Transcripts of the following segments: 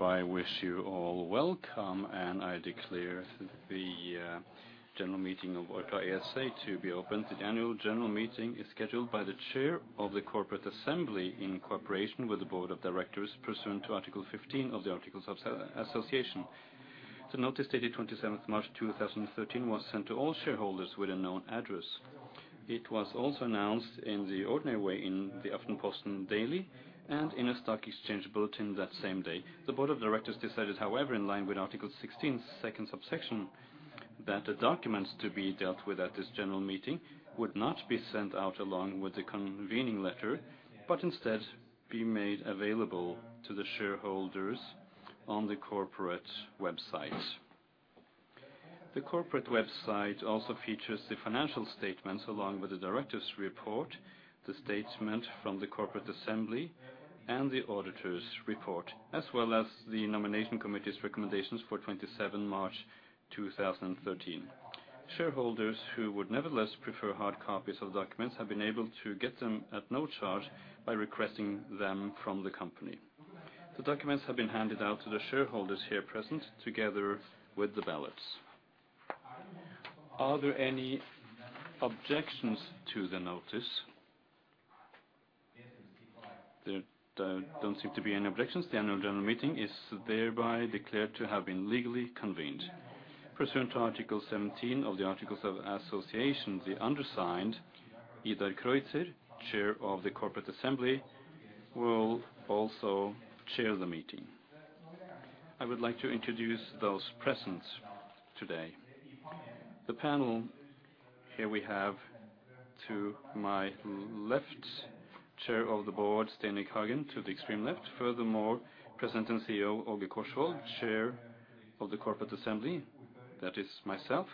Hereby wish you all welcome, and I declare the general meeting of Orkla ASA to be open. The annual general meeting is scheduled by the chair of the Corporate Assembly in cooperation with the board of directors, pursuant to Article fifteen of the Articles of Association. The notice, dated twenty-seventh March, two thousand and thirteen, was sent to all shareholders with a known address. It was also announced in the ordinary way in the Aftenposten daily and in a stock exchange bulletin that same day. The board of directors decided, however, in line with Article sixteen, second subsection, that the documents to be dealt with at this general meeting would not be sent out along with the convening letter, but instead be made available to the shareholders on the corporate website. The corporate website also features the financial statements, along with the directors' report, the statement from the Corporate Assembly, and the auditor's report, as well as the Nomination Committee's recommendations for twenty-seven March, two thousand and thirteen. Shareholders who would nevertheless prefer hard copies of documents have been able to get them at no charge by requesting them from the company. The documents have been handed out to the shareholders here present, together with the ballots. Are there any objections to the notice? There don't seem to be any objections. The Annual General Meeting is thereby declared to have been legally convened. Pursuant to Article 17 of the Articles of Association, the undersigned, Idar Kreutzer, Chair of the Corporate Assembly, will also chair the meeting. I would like to introduce those present today. The panel, here we have to my left, Chair of the Board, Stein Erik Hagen, to the extreme left. Furthermore, President and CEO, Åge Korsvold, Chair of the Corporate Assembly, that is myself,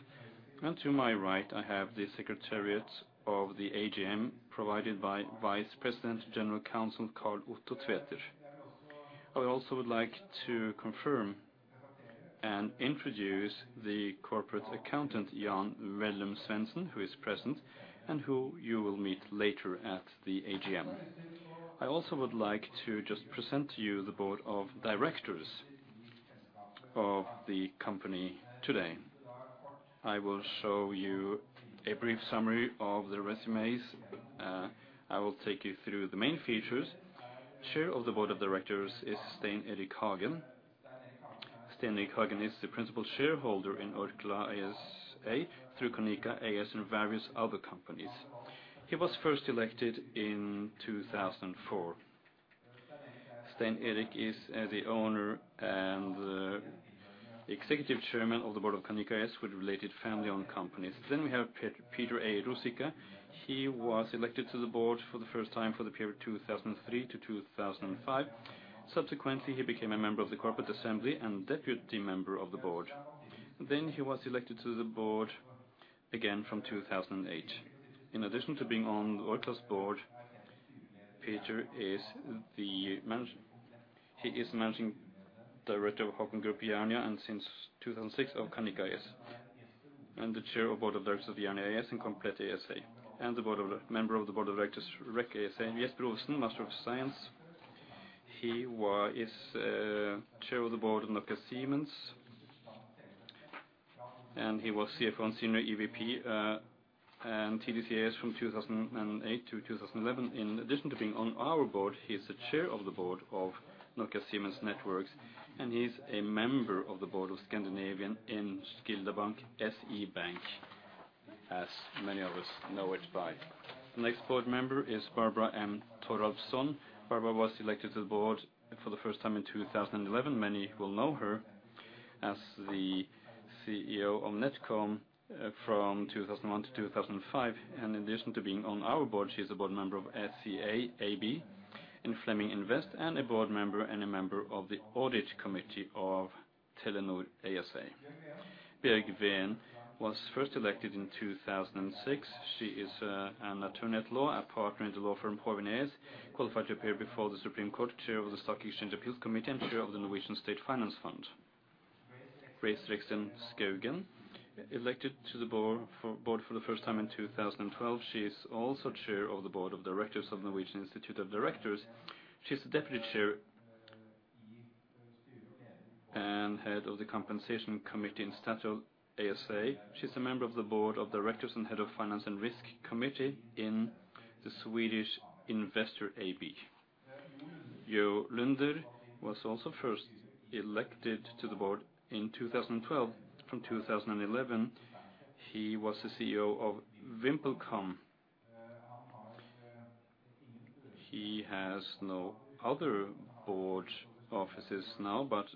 and to my right, I have the Secretariat of the AGM, provided by Vice President General Counsel, Karl Otto Tveter. I also would like to confirm and introduce the corporate accountant, Jan-Willem Svendsen, who is present, and who you will meet later at the AGM. I also would like to just present to you the board of directors of the company today. I will show you a brief summary of their resumes. I will take you through the main features. Chair of the board of directors is Stein Erik Hagen. Stein Erik Hagen is the principal shareholder in Orkla ASA, through Canica AS and various other companies. He was first elected in 2004. Stein Erik is the owner and executive chairman of the board of Canica AS with related family-owned companies. Then we have Peter A. Ruzicka. He was elected to the board for the first time for the period 2003 to 2005. Subsequently, he became a member of the corporate assembly and deputy member of the board. Then he was elected to the board again from 2008. In addition to being on Orkla's board, Peter is the managing director of Hakon Group Jernia, and since 2006, of Canica AS, and the chair of board of directors of Jernia AB and Komplett ASA, and member of the board of directors, REC ASA. Jesper Brodin, Master of Science, he was chair of the board, Nokia Siemens, and he was CFO and senior EVP, and TDC A/S from 2008 to 2011. In addition to being on our board, he is the chair of the board of Nokia Siemens Networks, and he's a member of the board of Skandinaviska Enskilda Banken, SE Bank, as many of us know it by. The next board member is Barbara M. Thoralfsson. Barbara was elected to the board for the first time in 2011. Many will know her as the CEO of NetCom from 2001 to 2005, and in addition to being on our board, she's a board member of SCA AB, and Fleming Invest, and a board member and a member of the audit committee of Telenor ASA. Bjørg Ven was first elected in 2006. She is an attorney at law and partner in the law firm Haavind, qualified to appear before the Supreme Court, chair of the Stock Exchange Appeals Committee, and chair of the Norwegian State Finance Fund. Grace Reksten Skaugen, elected to the board for the first time in 2012. She is also chair of the board of directors of Norwegian Institute of Directors. She's deputy chair and head of the Compensation Committee in Statoil ASA. She's a member of the board of directors and head of Finance and Risk Committee in the Swedish Investor AB. Jo Lunder was also first elected to the board in 2012. From 2011, he was the CEO of VimpelCom. He has no other board offices now, but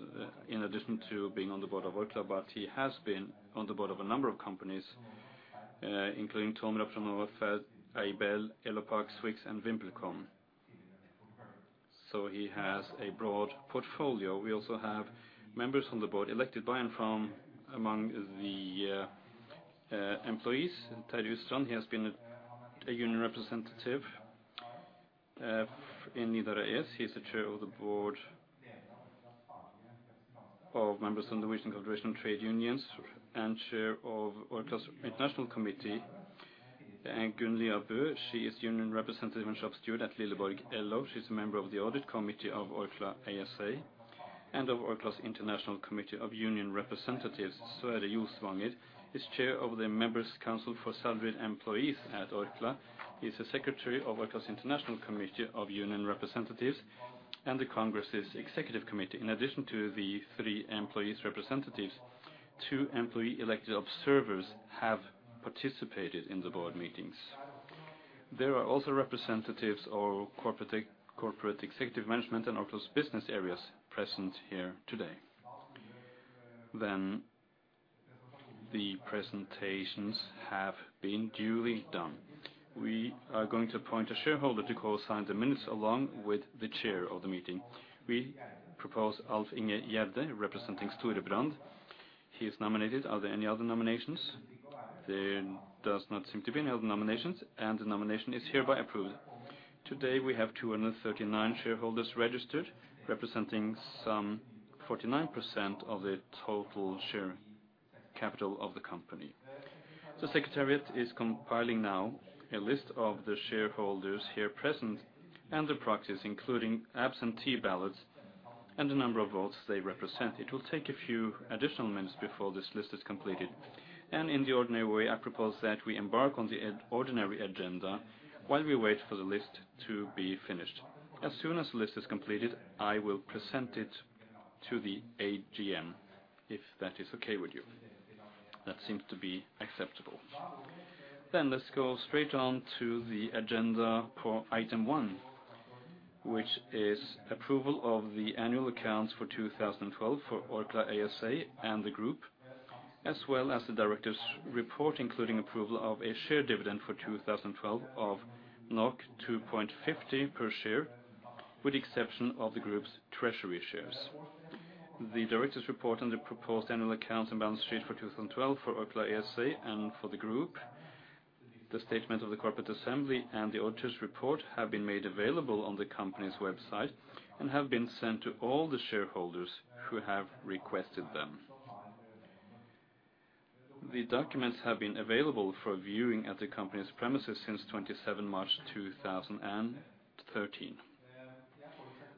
in addition to being on the board of Orkla, but he has been on the board of a number of companies, including Telenor, TeliaSonera, Aibel, Elopak, Swix, and VimpelCom. So he has a broad portfolio. We also have members on the board elected by and from among the employees. Terje Utstrand, he has been a union representative in Orkla ASA. He's the chair of the board of members of the Norwegian Confederation of Trade Unions, and Chair of Orkla's International Committee, and Gunn Liabø. She is Union Representative and Shop Steward at Lilleborg AS. She's a member of the Audit Committee of Orkla ASA, and of Orkla's International Committee of Union Representatives. So Sverre Josvanger is Chair of the Members' Council for salaried employees at Orkla. He's a secretary of Orkla's International Committee of Union Representatives and the Congress's Executive Committee. In addition to the three employees representatives, two employee-elected observers have participated in the board meetings. There are also representatives of corporate executive management and Orkla's business areas present here today. Then the presentations have been duly done. We are going to appoint a shareholder to co-sign the minutes along with the chair of the meeting. We propose Alf-Inge Gjerde, representing Storebrand. He is nominated. Are there any other nominations? There does not seem to be any other nominations, and the nomination is hereby approved. Today, we have 239 shareholders registered, representing some 49% of the total share capital of the company. The secretariat is compiling now a list of the shareholders here present and the proxies, including absentee ballots and the number of votes they represent. It will take a few additional minutes before this list is completed. In the ordinary way, I propose that we embark on the ordinary agenda while we wait for the list to be finished. As soon as the list is completed, I will present it to the AGM, if that is okay with you. That seems to be acceptable. Then let's go straight on to the agenda for item one, which is approval of the annual accounts for two thousand and twelve for Orkla ASA and the group, as well as the directors' report, including approval of a share dividend for two thousand and twelve of 2.50 per share, with the exception of the group's treasury shares. The directors' report on the proposed annual accounts and balance sheet for two thousand and twelve for Orkla ASA and for the group, the statement of the corporate assembly, and the auditor's report have been made available on the company's website and have been sent to all the shareholders who have requested them. The documents have been available for viewing at the company's premises since twenty-seven March, two thousand and thirteen.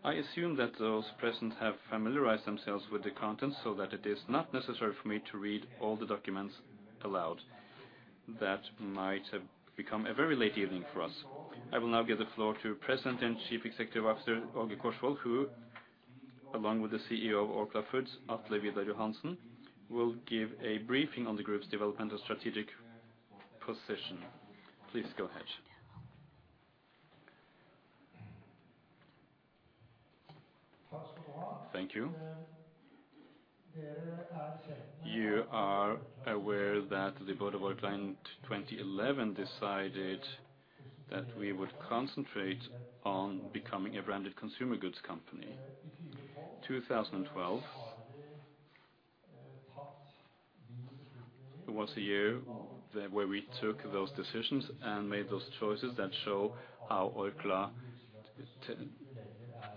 I assume that those present have familiarized themselves with the content so that it is not necessary for me to read all the documents aloud. That might have become a very late evening for us. I will now give the floor to President and Chief Executive Officer Åge Korsvold, who, along with the CEO of Orkla Foods, Atle Vidar Johansen, will give a briefing on the group's development and strategic position. Please go ahead. Thank you. You are aware that the board of Orkla in 2011 decided that we would concentrate on becoming a branded consumer goods company. 2012 was a year that where we took those decisions and made those choices that show how Orkla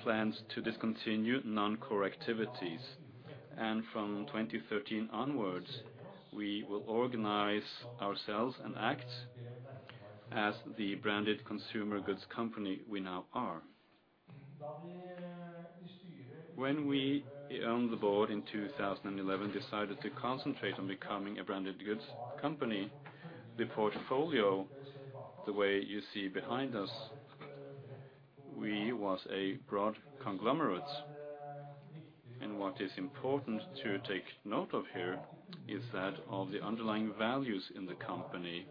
plans to discontinue non-core activities. From 2013 onwards, we will organize ourselves and act as the branded consumer goods company we now are. When we, on the board in 2011, decided to concentrate on becoming a branded goods company, the portfolio, the way you see behind us, we was a broad conglomerate. What is important to take note of here is that of the underlying values in the company,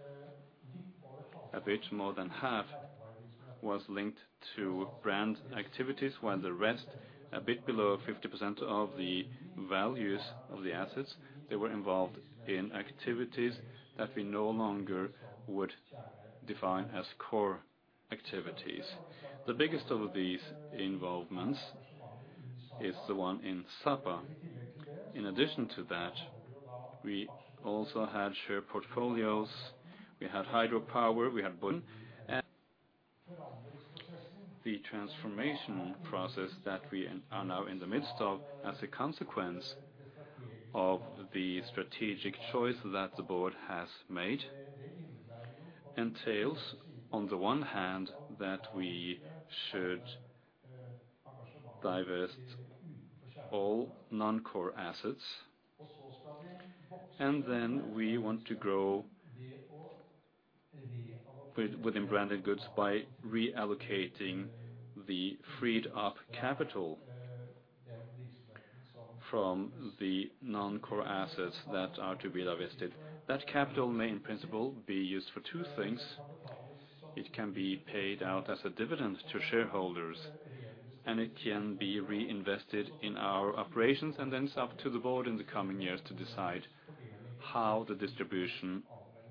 a bit more than half was linked to brand activities, while the rest, a bit below 50% of the values of the assets, they were involved in activities that we no longer would define as core activities. The biggest of these involvements is the one in Sapa. In addition to that, we also had share portfolios, we had hydropower, we had... The transformation process that we are now in the midst of, as a consequence of the strategic choice that the board has made, entails, on the one hand, that we should divest all non-core assets, and then we want to grow within branded goods by reallocating the freed-up capital from the non-core assets that are to be divested. That capital may in principle be used for two things. It can be paid out as a dividend to shareholders, and it can be reinvested in our operations, and then it's up to the board in the coming years to decide how the distribution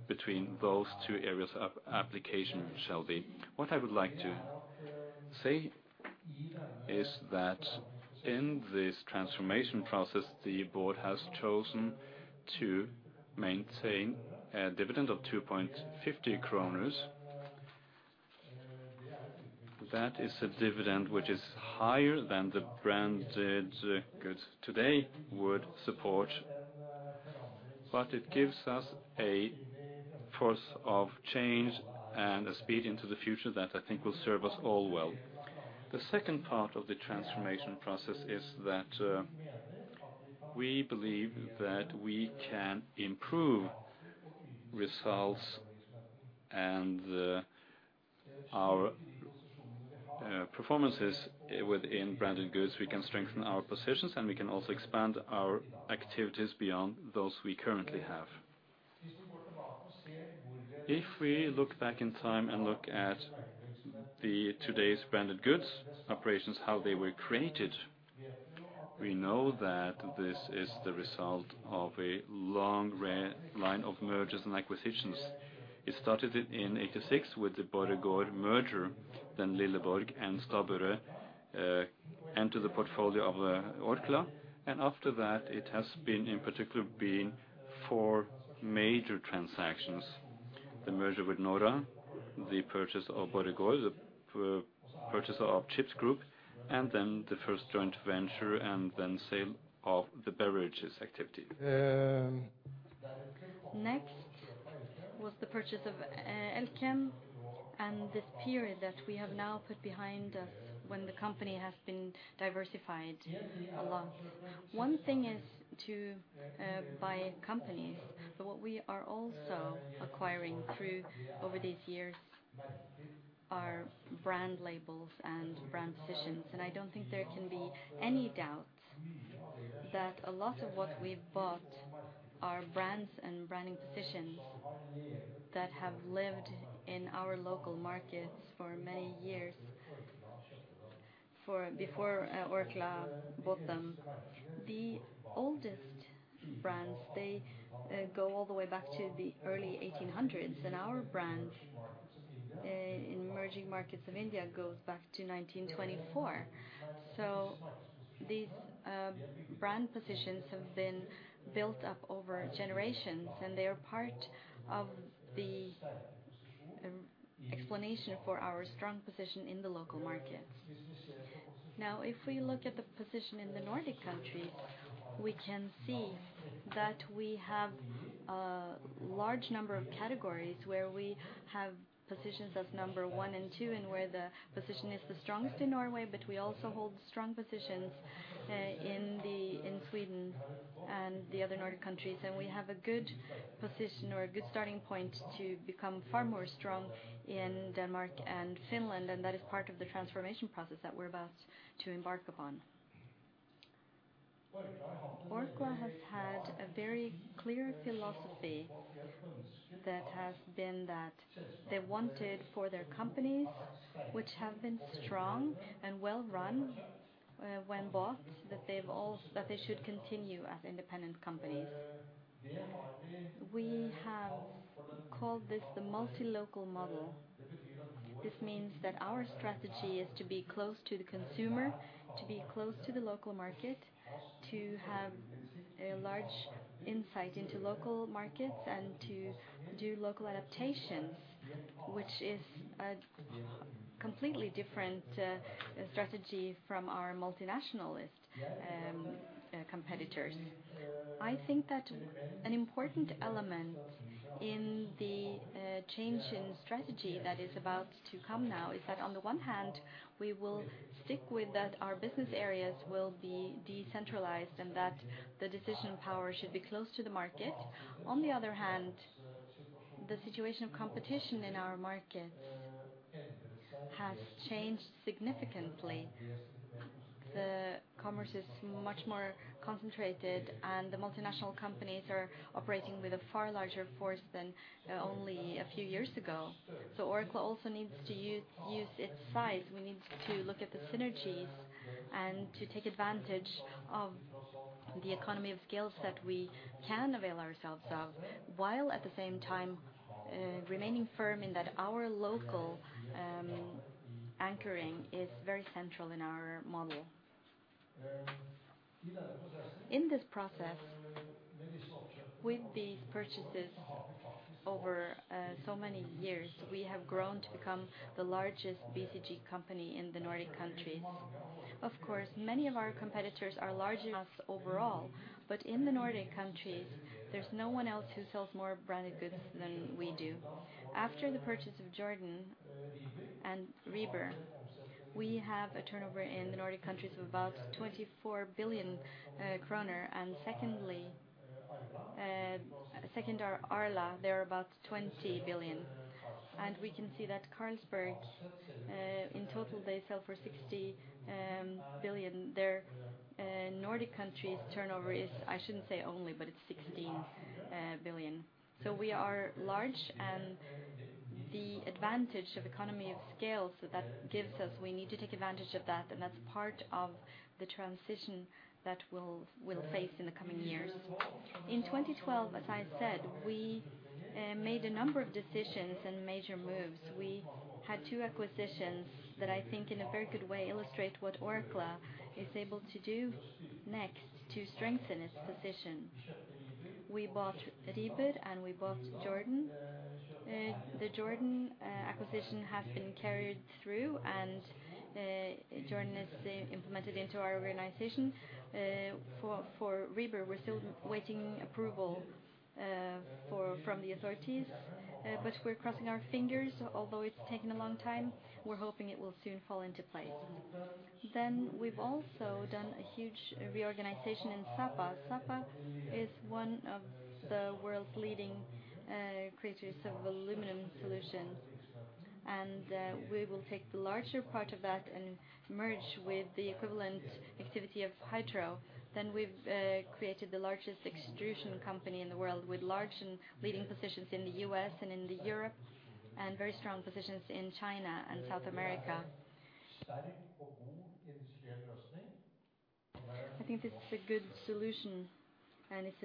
between those two areas of application shall be. What I would like to say is that in this transformation process, the board has chosen to maintain a dividend of 2.50 kroner. That is a dividend which is higher than the branded goods today would support, but it gives us a force of change and a speed into the future that I think will serve us all well. The second part of the transformation process is that we believe that we can improve results and our performances within branded goods. We can strengthen our positions, and we can also expand our activities beyond those we currently have. If we look back in time and look at today's branded goods operations, how they were created, we know that this is the result of a long series of mergers and acquisitions. It started in 1986 with the Borregaard merger, then Lilleborg and Stabburet entered the portfolio of Orkla, and after that, it has been, in particular, four major transactions. The merger with Nora, the purchase of Borregaard, the purchase of Chips Group, and then the first joint venture, and then sale of the beverages activity. Next was the purchase of Elkem, and this period that we have now put behind us when the company has been diversified a lot. One thing is to buy companies, but what we are also acquiring through over these years are brand labels and brand positions. I don't think there can be any doubt that a lot of what we've bought are brands and branding positions that have lived in our local markets for many years, for before Orkla bought them. The oldest brands they go all the way back to the early 1800s, and our brand in emerging markets of India goes back to 1924. So these brand positions have been built up over generations, and they are part of the explanation for our strong position in the local markets. Now, if we look at the position in the Nordic countries, we can see that we have a large number of categories where we have positions as number one and two, and where the position is the strongest in Norway, but we also hold strong positions in Sweden and the other Nordic countries. And we have a good position or a good starting point to become far more strong in Denmark and Finland, and that is part of the transformation process that we're about to embark upon. Orkla has had a very clear philosophy that has been that they wanted for their companies, which have been strong and well run, when bought, that they should continue as independent companies. We have called this the multi-local model. This means that our strategy is to be close to the consumer, to be close to the local market, to have a large insight into local markets, and to do local adaptations, which is a completely different strategy from our multinationalist competitors. I think that an important element in the change in strategy that is about to come now is that on the one hand, we will stick with that our business areas will be decentralized, and that the decision power should be close to the market. On the other hand, the situation of competition in our markets has changed significantly. The commerce is much more concentrated, and the multinational companies are operating with a far larger force than only a few years ago. So Orkla also needs to use its size. We need to look at the synergies and to take advantage of the economy of scale that we can avail ourselves of, while at the same time, remaining firm in that our local, anchoring is very central in our model. In this process, with these purchases over, so many years, we have grown to become the largest BCG company in the Nordic countries. Of course, many of our competitors are larger than us overall, but in the Nordic countries, there's no one else who sells more branded goods than we do. After the purchase of Jordan and Rieber, we have a turnover in the Nordic countries of about 24 billion kroner, and secondly, second are Arla. They are about 20 billion NOK. We can see that Carlsberg, in total, they sell for 60 billion NOK. There Nordic countries turnover is, I shouldn't say only, but it's 16 billion NOK. So we are large, and the advantage of economy of scale, so that gives us, we need to take advantage of that, and that's part of the transition that we'll face in the coming years. In 2012, as I said, we made a number of decisions and major moves. We had two acquisitions that I think in a very good way illustrate what Orkla is able to do next to strengthen its position. We bought Rieber, and we bought Jordan. The Jordan acquisition has been carried through, and Jordan is implemented into our organization. For Rieber, we're still waiting approval from the authorities, but we're crossing our fingers. Although it's taken a long time, we're hoping it will soon fall into place. Then we've also done a huge reorganization in Sapa. Sapa is one of the world's leading creators of aluminum solutions, and we will take the larger part of that and merge with the equivalent activity of Hydro. Then we've created the largest extrusion company in the world, with large and leading positions in the U.S. and in Europe, and very strong positions in China and South America. I think this is a good solution, and it's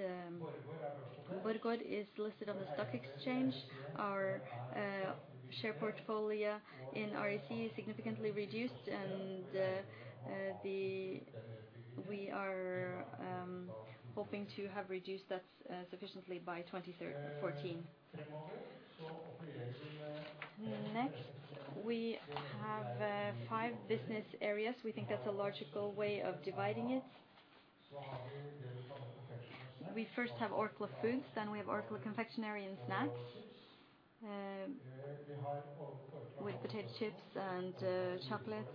Borregaard is listed on the stock exchange. Our share portfolio in REC is significantly reduced, and we are hoping to have reduced that sufficiently by 2013-14. Next, we have five business areas. We think that's a logical way of dividing it. We first have Orkla Foods, then we have Orkla Confectionery and Snacks, with potato chips and chocolates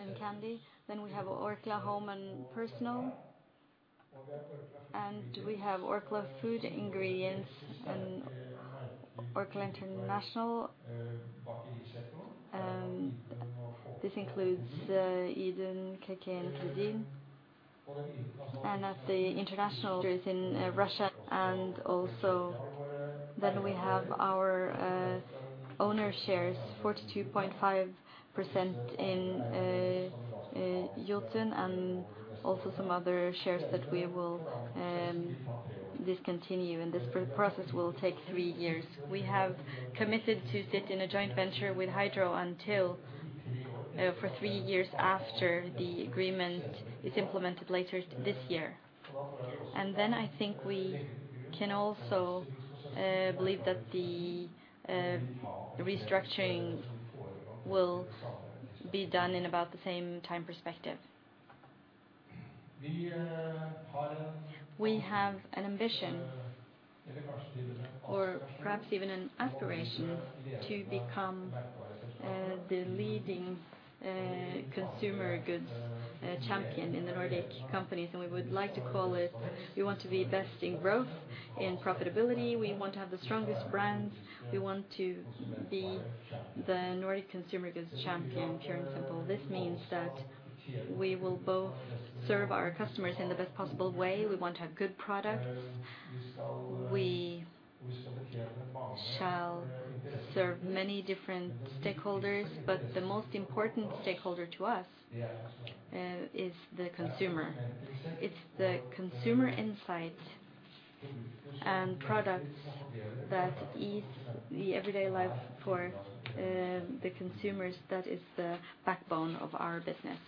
and candy. Then we have Orkla Home and Personal, and we have Orkla Food Ingredients and Orkla International. This includes Idun, KK, and Credin. And the international is in Russia, and also then we have our owner shares, 42.5% in Jotun, and also some other shares that we will discontinue, and this process will take three years. We have committed to sit in a joint venture with Hydro until for three years after the agreement is implemented later this year. And then I think we can also believe that the restructuring will be done in about the same time perspective. We have an ambition, or perhaps even an aspiration, to become the leading consumer goods champion in the Nordic companies, and we would like to call it. We want to be best in growth, in profitability. We want to have the strongest brands. We want to be the Nordic consumer goods champion, pure and simple. This means that we will both serve our customers in the best possible way. We want to have good products. We shall serve many different stakeholders, but the most important stakeholder to us is the consumer. It's the consumer insight and products that ease the everyday life for the consumers. That is the backbone of our business.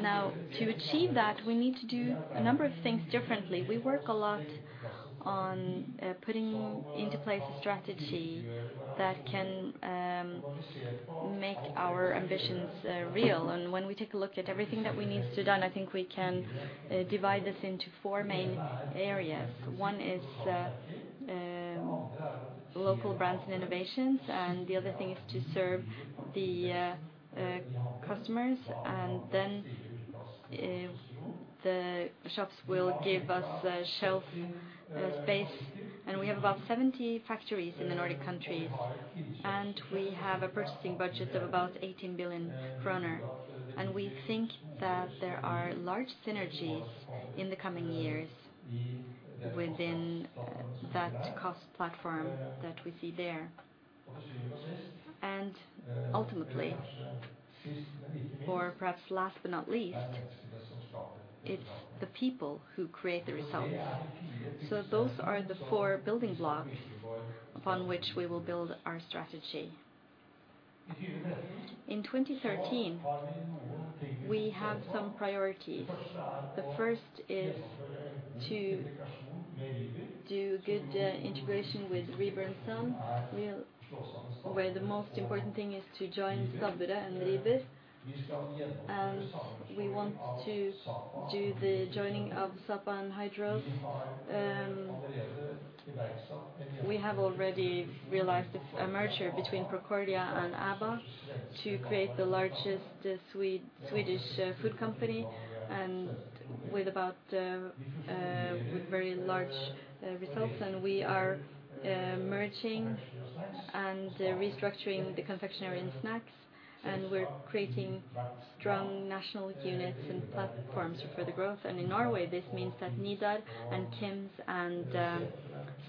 Now, to achieve that, we need to do a number of things differently. We work a lot on putting into place a strategy that can make our ambitions real. When we take a look at everything that we need to done, I think we can divide this into four main areas. One is local brands and innovations, and the other thing is to serve the customers. Then the shops will give us a shelf space. We have about 70 factories in the Nordic countries, and we have a purchasing budget of about 18 billion kroner. We think that there are large synergies in the coming years within that cost platform that we see there. Ultimately, or perhaps last but not least, it's the people who create the results. Those are the four building blocks upon which we will build our strategy. In 2013, we have some priorities. The first is to do good integration with Rieber and Søn, where the most important thing is to join Sapa and Rieber. And we want to do the joining of Sapa and Hydro. We have already realized it's a merger between Procordia and Abba to create the largest Swedish food company, and with very large results. And we are merging and restructuring the confectionery and snacks, and we're creating strong national units and platforms for further growth. And in Norway, this means that Nidar and KiMs and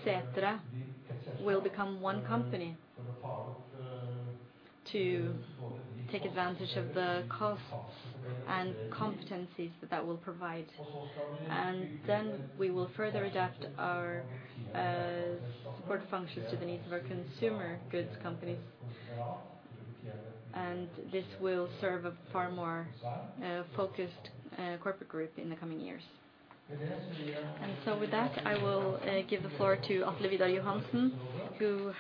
Sætre will become one company to take advantage of the costs and competencies that will provide. And then we will further adapt our support functions to the needs of our consumer goods companies, and this will serve a far more focused corporate group in the coming years. With that, I will give the floor to Atle Vidar Johansen, who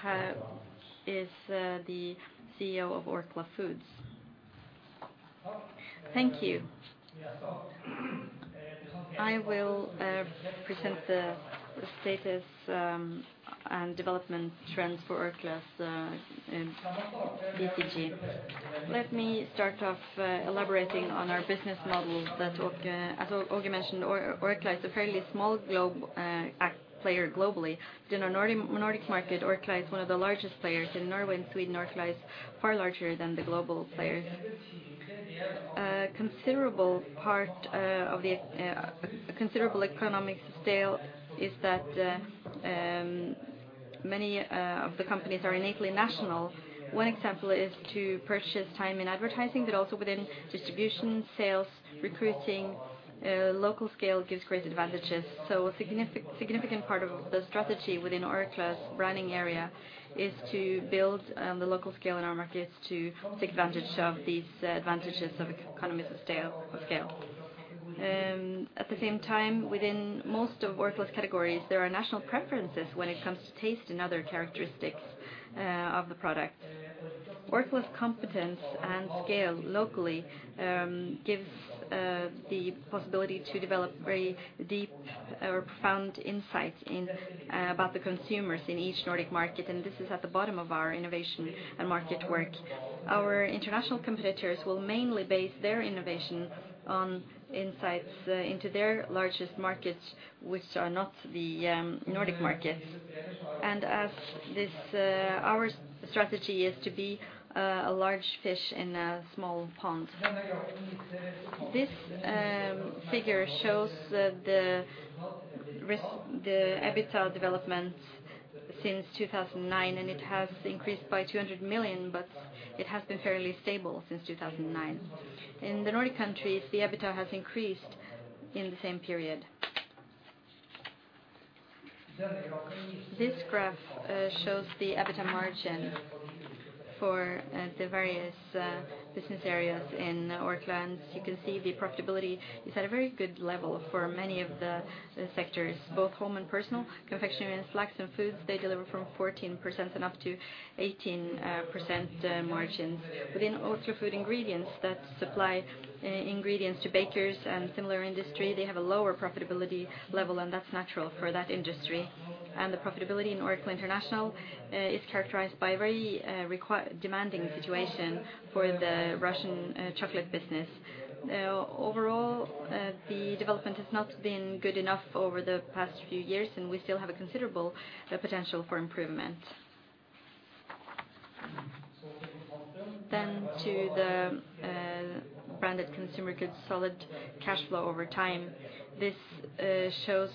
is the CEO of Orkla Foods. Thank you. I will present the status and development trends for Orkla's BCG. Let me start off elaborating on our business model that as Åge mentioned, Orkla is a fairly small global player globally. In our Nordic market, Orkla is one of the largest players. In Norway and Sweden, Orkla is far larger than the global players. A considerable part of the economies of scale is that many of the companies are innately national. One example is to purchase time in advertising, but also within distribution, sales, recruiting, local scale gives great advantages. So a significant part of the strategy within Orkla's branding area is to build the local scale in our markets to take advantage of these advantages of economies of scale. At the same time, within most of Orkla's categories, there are national preferences when it comes to taste and other characteristics of the product. Orkla's competence and scale locally gives the possibility to develop very deep or profound insight in about the consumers in each Nordic market, and this is at the bottom of our innovation and market work. Our international competitors will mainly base their innovation on insights into their largest markets, which are not the Nordic markets. Our strategy is to be a large fish in a small pond. This figure shows that the EBITDA development since 2009, and it has increased by 200 million, but it has been fairly stable since 2009. In the Nordic countries, the EBITDA has increased in the same period. This graph shows the EBITDA margin for the various business areas in Orkla, and you can see the profitability is at a very good level for many of the sectors, both home and personal. Confectionery, snacks and foods, they deliver from 14% to 18% margins. Within Orkla Food Ingredients that supply ingredients to bakers and similar industry, they have a lower profitability level, and that's natural for that industry. The profitability in Orkla International is characterized by very demanding situation for the Russian chocolate business. Overall, the development has not been good enough over the past few years, and we still have a considerable potential for improvement. To the branded consumer goods, solid cashflow over time. This shows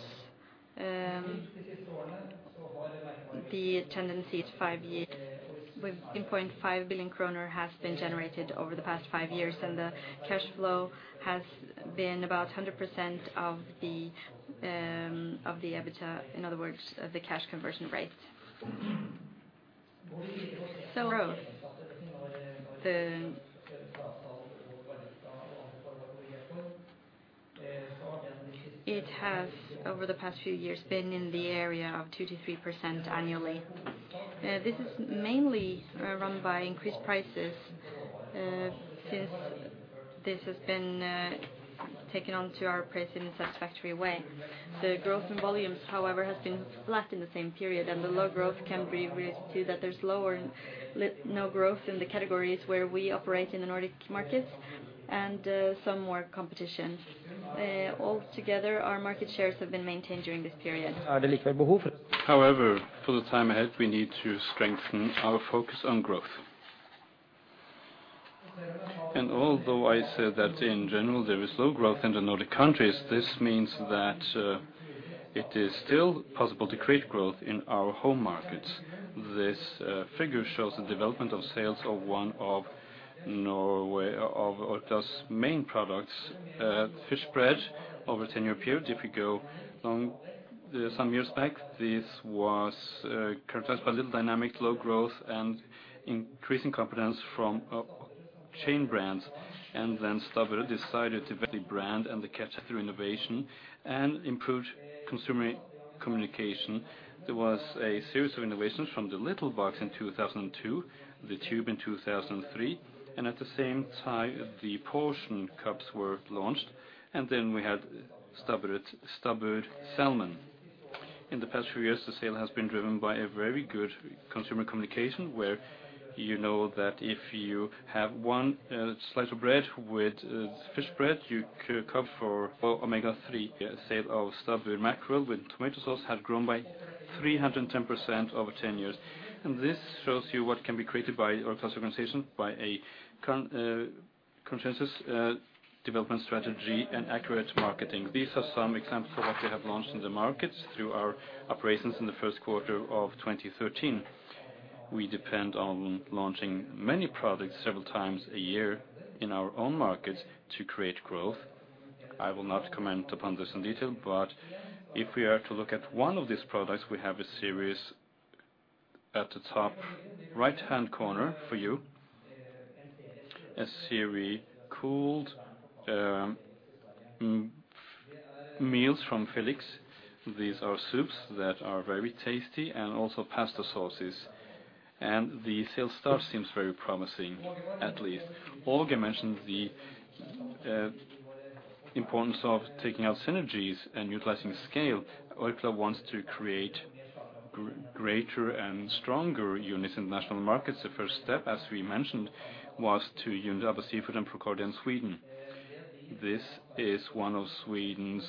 the tendency is five-year with... 8.5 billion kroner has been generated over the past five years, and the cashflow has been about 100% of the EBITDA, in other words, of the cash conversion rate. So growth, the. It has, over the past few years, been in the area of 2-3% annually. This is mainly run by increased prices, since this has been taken onto our price in a satisfactory way. The growth in volumes, however, has been flat in the same period, and the low growth can be related to that there's lower and no growth in the categories where we operate in the Nordic markets, and some more competition. Altogether, our market shares have been maintained during this period. However, for the time ahead, we need to strengthen our focus on growth, and although I said that in general there is low growth in the Nordic countries, this means that it is still possible to create growth in our home markets. This figure shows the development of sales of one of Orkla's main products, mackerel, over a ten-year period. If you go along some years back, this was characterized by little dynamics, low growth, and increasing competition from chain brands, and then Stabburet decided to build a brand and to catch up through innovation and improved consumer communication. There was a series of innovations from the little box in two thousand and two, the tube in two thousand and three, and at the same time, the portion cups were launched, and then we had Stabburet, Stabburet salmon. In the past few years, the sale has been driven by a very good consumer communication, where you know that if you have one slice of bread with fish bread, you could account for omega-three. Sale of Stabburet mackerel with tomato sauce has grown by 310% over 10 years. And this shows you what can be created by Orkla's organization, by a consensus development strategy, and accurate marketing. These are some examples of what we have launched in the markets through our operations in the first quarter of 2013. We depend on launching many products several times a year in our own markets to create growth. I will not comment upon this in detail, but if we are to look at one of these products, we have a series at the top right-hand corner for you... A series of chilled meals from Felix. These are soups that are very tasty and also pasta sauces, and the sales start seems very promising, at least. Åge mentioned the importance of taking out synergies and utilizing scale. Orkla wants to create greater and stronger units in national markets. The first step, as we mentioned, was to unite Abba Seafood and Procordia in Sweden. This is one of Sweden's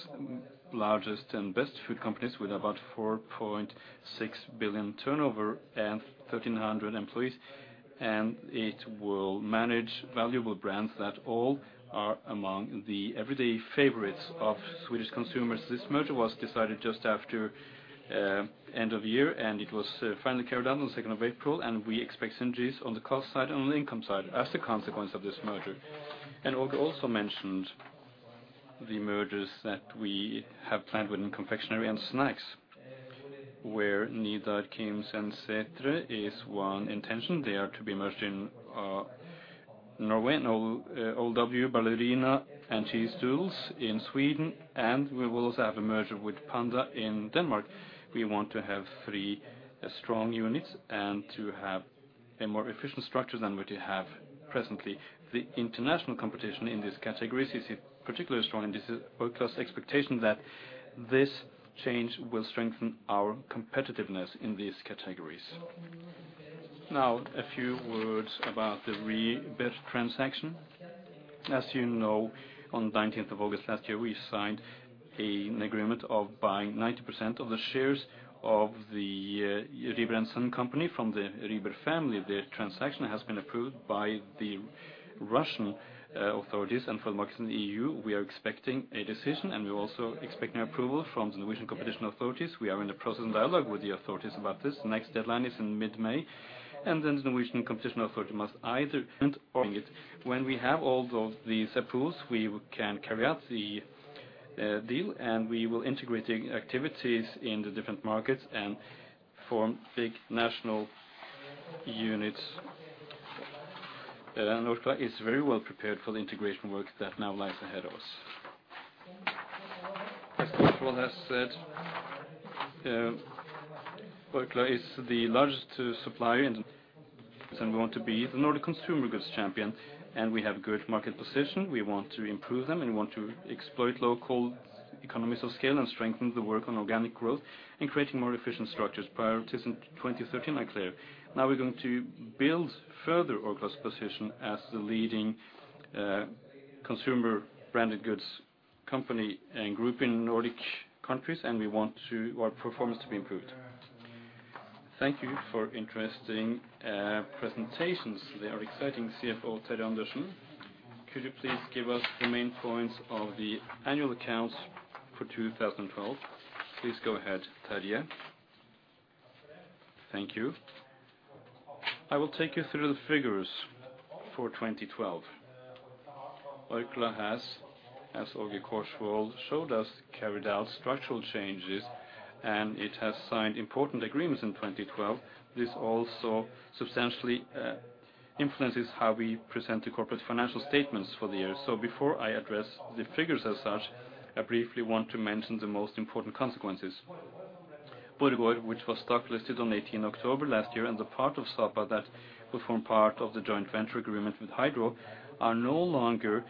largest and best food companies, with about 4.6 billion turnover and 1,300 employees, and it will manage valuable brands that all are among the everyday favorites of Swedish consumers. This merger was decided just after end of year, and it was finally carried out on the second of April, and we expect synergies on the cost side and on the income side as a consequence of this merger. Åge also mentioned the mergers that we have planned within confectionery and snacks, where Nidar, KiMs, and Sætre is one intention. They are to be merged in Norway, and OLW, Ballerina, and Cheese Doodles in Sweden, and we will also have a merger with Panda in Denmark. We want to have three strong units and to have a more efficient structure than what we have presently. The international competition in this category is particularly strong, and this is Orkla's expectation that this change will strengthen our competitiveness in these categories. Now, a few words about the Rieber transaction. As you know, on the nineteenth of August last year, we signed an agreement of buying 90% of the shares of the Rieber & Søn company from the Rieber family. The transaction has been approved by the Russian authorities, and for the markets in the EU, we are expecting a decision, and we're also expecting approval from the Norwegian Competition Authorities. We are in the process and dialogue with the authorities about this. The next deadline is in mid-May, and then the Norwegian Competition Authority must either. When we have all of these approvals, we can carry out the deal, and we will integrate the activities in the different markets and form big national units. Orkla is very well prepared for the integration work that now lies ahead of us. As Åge has said, Orkla is the largest supplier, and we want to be the Nordic consumer goods champion, and we have good market position. We want to improve them, and we want to exploit local economies of scale and strengthen the work on organic growth and creating more efficient structures, priorities in 2013, is clear. Now we're going to build further Orkla's position as the leading consumer branded goods company and group in Nordic countries, and we want to... We want performance to be improved. Thank you for interesting presentations. Very exciting, CFO Terje Andersen. Could you please give us the main points of the annual accounts for 2012? Please go ahead, Terje. Thank you. I will take you through the figures for 2012. Orkla has, as Åge Korsvold showed us, carried out structural changes, and it has signed important agreements in 2012. This also substantially influences how we present the corporate financial statements for the year. Before I address the figures as such, I briefly want to mention the most important consequences. Borregaard, which was stock listed on 18 October last year, and the part of Sapa that will form part of the joint venture agreement with Hydro, are no longer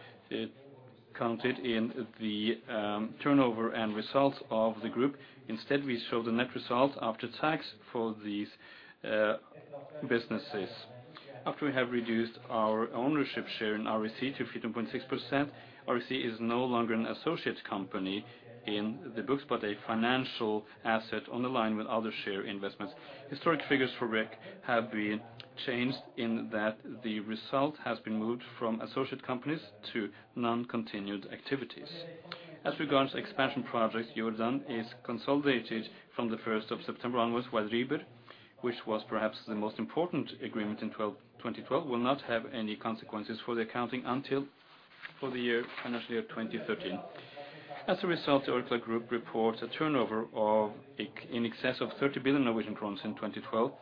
counted in the turnover and results of the group. Instead, we show the net results after tax for these businesses. After we have reduced our ownership share in REC to 15.6%, REC is no longer an associate company in the books, but a financial asset in line with other share investments. Historic figures for REC have been changed in that the result has been moved from associate companies to discontinued activities. As regards expansion projects, Jordan is consolidated from the first of September onwards, while Rieber, which was perhaps the most important agreement in twenty twelve, will not have any consequences for the accounting until, for the year, financial year twenty thirteen. As a result, Orkla Group reports a turnover in excess of 30 billion in twenty twelve,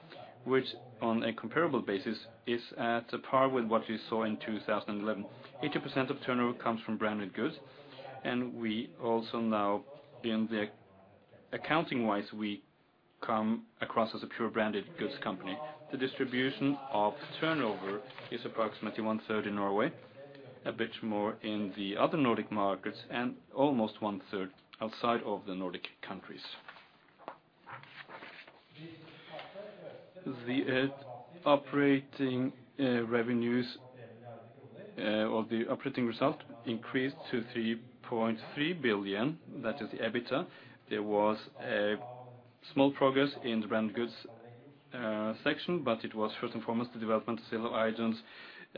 which, on a comparable basis, is at par with what we saw in two thousand and eleven. 80% of turnover comes from branded goods, and we also now accounting-wise come across as a pure branded goods company. The distribution of turnover is approximately one-third in Norway, a bit more in the other Nordic markets, and almost one-third outside of the Nordic countries. The operating revenues or the operating result increased to 3.3 billion. That is the EBITDA. There was a small progress in the branded goods section, but it was first and foremost the development of Siloens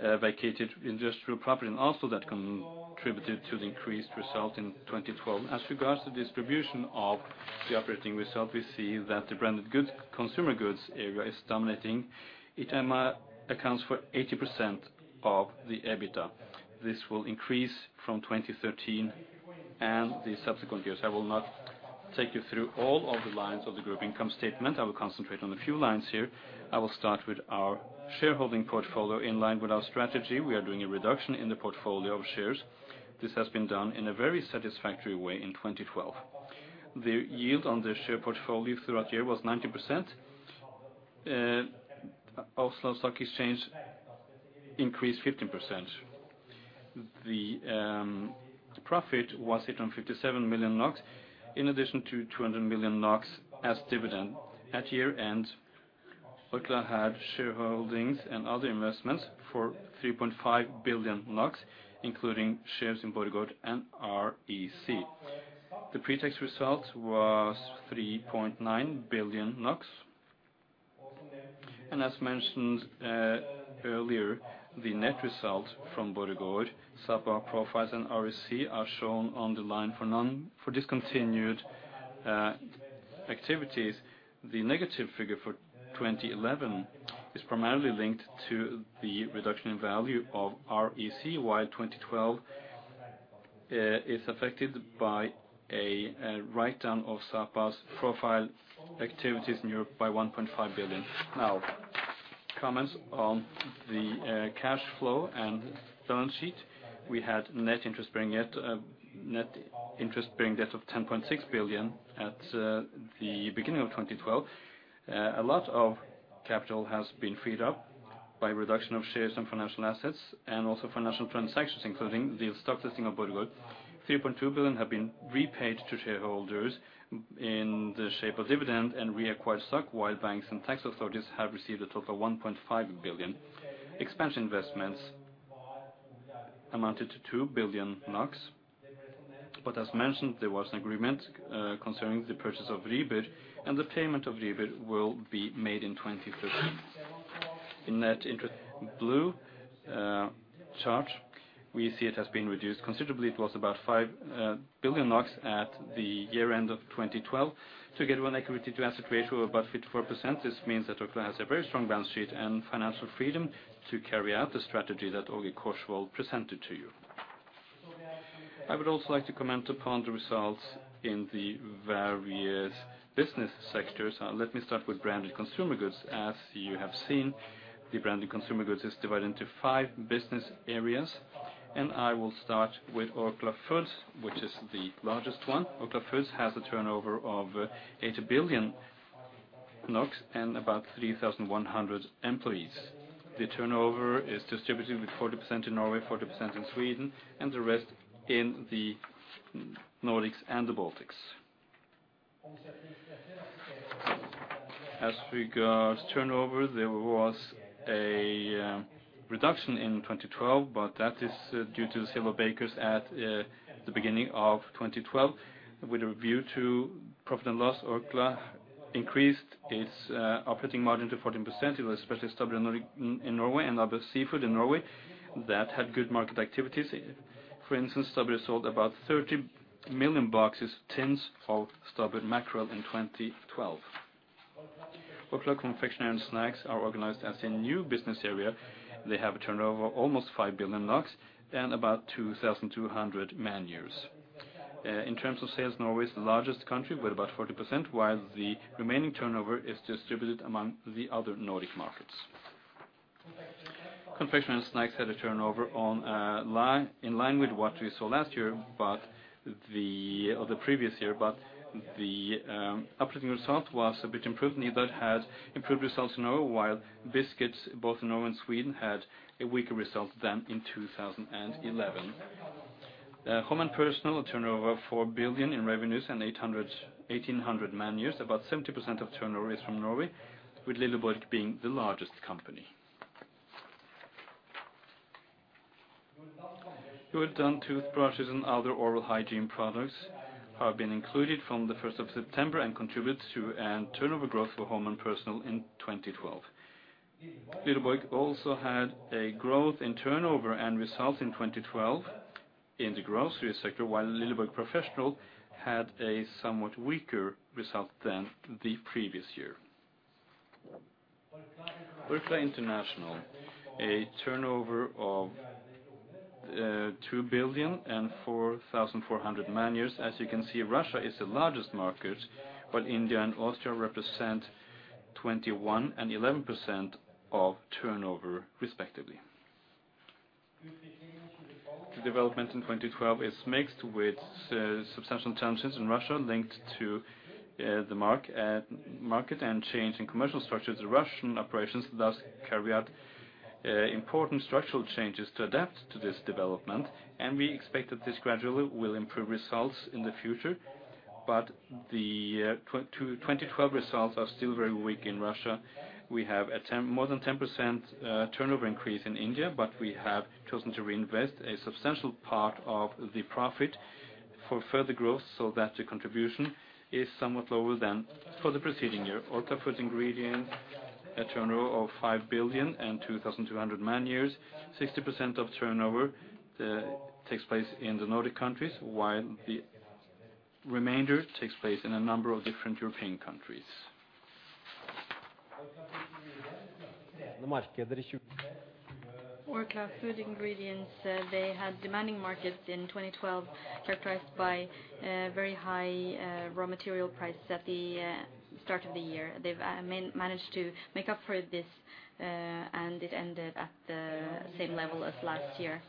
vacated industrial property, and also that contributed to the increased result in 2012. As regards to the distribution of the operating result, we see that the branded good, consumer goods area is dominating. It accounts for 80% of the EBITDA. This will increase from 2013 and the subsequent years. I will not repeat take you through all of the lines of the group income statement. I will concentrate on a few lines here. I will start with our shareholding portfolio. In line with our strategy, we are doing a reduction in the portfolio of shares. This has been done in a very satisfactory way in 2012. The yield on the share portfolio throughout the year was 90%. Oslo Stock Exchange increased 15%. The profit was 857 million NOK, in addition to 200 million NOK as dividend. At year-end, Orkla had shareholdings and other investments for 3.5 billion NOK, including shares in Borregaard and REC. The pre-tax result was 3.9 billion NOK. As mentioned earlier, the net result from Borregaard, Sapa Profiles, and REC are shown on the line for discontinued activities. The negative figure for 2011 is primarily linked to the reduction in value of REC, while 2012 is affected by a write-down of Sapa Profiles activities in Europe by 1.5 billion. Now, comments on the cash flow and balance sheet. We had net interest-bearing debt of 10.6 billion at the beginning of 2012. A lot of capital has been freed up by reduction of shares and financial assets, and also financial transactions, including the stock listing of Borregaard. 3.2 billion NOK have been repaid to shareholders in the shape of dividend and reacquired stock, while banks and tax authorities have received a total of 1.5 billion NOK. Expansion investments amounted to 2 billion NOK. But as mentioned, there was an agreement concerning the purchase of Rieber, and the payment of Rieber will be made in 2013. In the blue chart, we see it has been reduced considerably. It was about 5 billion NOK at the year-end of 2012, to get an equity to asset ratio of about 54%. This means that Orkla has a very strong balance sheet and financial freedom to carry out the strategy that Åge Korsvold presented to you. I would also like to comment upon the results in the various business sectors. Let me start with Branded Consumer Goods. As you have seen, the Branded Consumer Goods is divided into five business areas, and I will start with Orkla Foods, which is the largest one. Orkla Foods has a turnover of eight billion NOK and about 3,100 employees. The turnover is distributed with 40% in Norway, 40% in Sweden, and the rest in the Nordics and the B altics. As regards turnover, there was a reduction in 2012, but that is due to several bakers at the beginning of 2012. With a review to profit and loss, Orkla increased its operating margin to 14%. It was especially Stabburet in Norway and Abba Seafood in Norway that had good market activities. For instance, Stabburet sold about 30 million boxes, tins of Stabburet mackerel in twenty twelve. Orkla Confectionery and Snacks are organized as a new business area. They have a turnover of almost 5 billion NOK and about 2,200 man-years. In terms of sales, Norway is the largest country, with about 40%, while the remaining turnover is distributed among the other Nordic markets. Confectionery and Snacks had a turnover in line with what we saw last year, or the previous year, but the operating result was a bit improved. Nidar had improved results in Norway, while biscuits, both in Norway and Sweden, had a weaker result than in two thousand and eleven. Home and Personal, a turnover of 4 billion NOK in revenues and 1,800 man-years. About 70% of turnover is from Norway, with Lilleborg being the largest company. Jordan toothbrushes and other oral hygiene products have been included from the first of September and contributes to a turnover growth for Home and Personal in 2012. Lilleborg also had a growth in turnover and results in 2012 in the grocery sector, while Lilleborg Professional had a somewhat weaker result than the previous year. Orkla International, a turnover of 2.4 billion and 4,400 man-years. As you can see, Russia is the largest market, but India and Austria represent 21% and 11% of turnover, respectively. The development in 2012 is mixed, with substantial challenges in Russia linked to the market and change in commercial structures. The Russian operations thus carry out important structural changes to adapt to this development, and we expect that this gradually will improve results in the future. But the 2012 results are still very weak in Russia. We have more than 10% turnover increase in India, but we have chosen to reinvest a substantial part of the profit for further growth so that the contribution is somewhat lower than for the preceding year. Orkla Food Ingredients, a turnover of 5 billion NOK and 2,200 man-years. 60% of turnover takes place in the Nordic countries, while the remainder takes place in a number of different European countries.... Orkla Food Ingredients, they had demanding markets in 2012, characterized by very high raw material prices at the start of the year. They've managed to make up for this, and it ended at the same level as last year.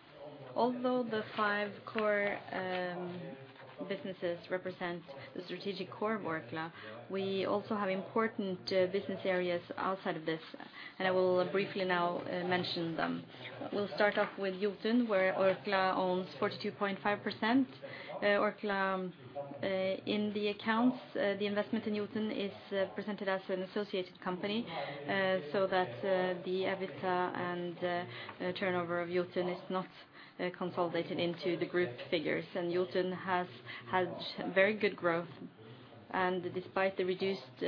Although the five core businesses represent the strategic core of Orkla, we also have important business areas outside of this, and I will briefly now mention them. We'll start off with Jotun, where Orkla owns 42.5%. Orkla in the accounts, the investment in Jotun is presented as an associated company, so that the EBITDA and turnover of Jotun is not consolidated into the group figures. Jotun has had very good growth, and despite the reduced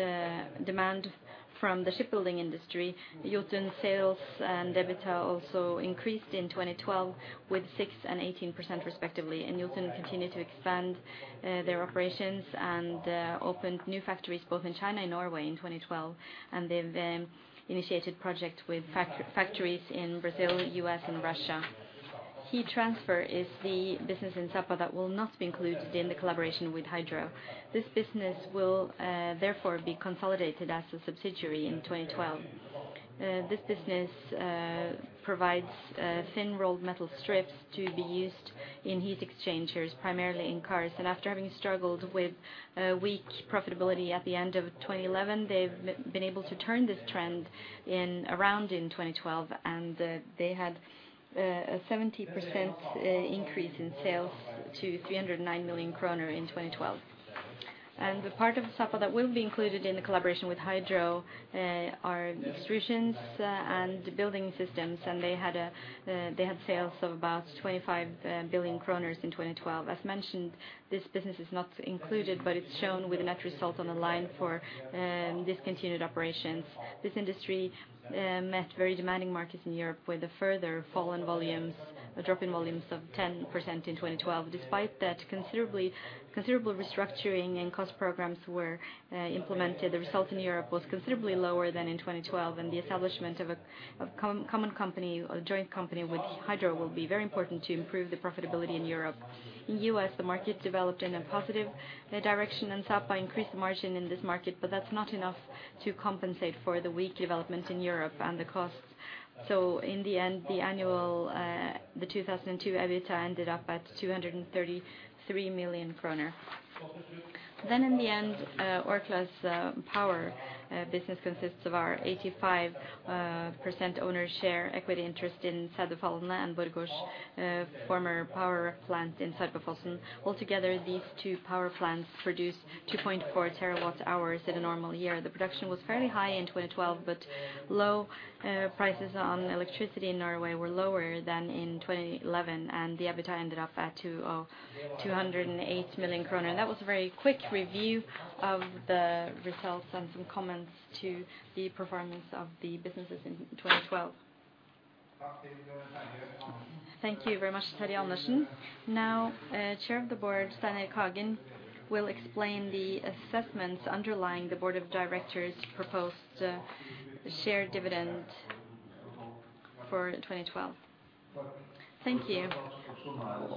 demand from the shipbuilding industry, Jotun sales and EBITDA also increased in 2012, with 6% and 18% respectively. Jotun continue to expand their operations and opened new factories both in China and Norway in 2012, and they've initiated projects with factories in Brazil, US, and Russia. Heat Transfer is the business in Sapa that will not be included in the collaboration with Hydro. This business will therefore be consolidated as a subsidiary in 2012. This business provides thin rolled metal strips to be used in heat exchangers, primarily in cars. And after having struggled with weak profitability at the end of 2011, they've been able to turn this trend around in 2012, and they had a 70% increase in sales to 309 million kroner in 2012. And the part of Sapa that will be included in the collaboration with Hydro are Extrusions and Building Systems, and they had sales of about 25 billion kroner in 2012. As mentioned, this business is not included, but it's shown with a net result on the line for discontinued operations. This industry met very demanding markets in Europe with a further fall in volumes, a drop in volumes of 10% in 2012. Despite that, considerable restructuring and cost programs were implemented, the result in Europe was considerably lower than in 2012, and the establishment of a common company or a joint company with Hydro will be very important to improve the profitability in Europe. In U.S., the market developed in a positive direction, and Sapa increased the margin in this market, but that's not enough to compensate for the weak development in Europe and the costs. In the end, the 2012 EBITDA ended up at 233 million kroner. In the end, Orkla's power business consists of our 85% owner share equity interest in Saudefaldence and Borgos, former power plant in Sarpsfossen. Altogether, these two power plants produce 2.4 terawatt hours in a normal year. The production was fairly high in 2012, but low prices on electricity in Norway were lower than in 2011, and the EBITDA ended up at 202.8 million kroner. That was a very quick review of the results and some comments to the performance of the businesses in 2012. Thank you very much, Terje Andersen. Now, Chair of the Board, Stein Erik Hagen, will explain the assessments underlying the Board of Directors' proposed share dividend for 2012. Thank you.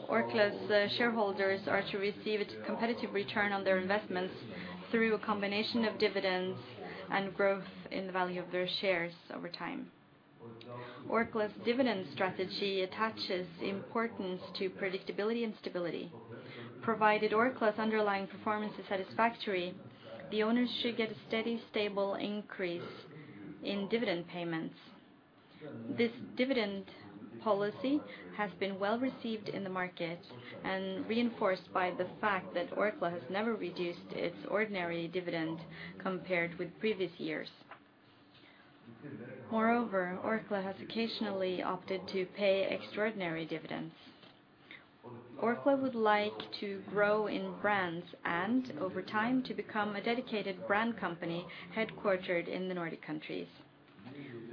Orkla's shareholders are to receive a competitive return on their investments through a combination of dividends and growth in the value of their shares over time. Orkla's dividend strategy attaches importance to predictability and stability. Provided Orkla's underlying performance is satisfactory, the owners should get a steady, stable increase in dividend payments. This dividend policy has been well-received in the market and reinforced by the fact that Orkla has never reduced its ordinary dividend compared with previous years. Moreover, Orkla has occasionally opted to pay extraordinary dividends. Orkla would like to grow in brands and, over time, to become a dedicated brand company headquartered in the Nordic countries.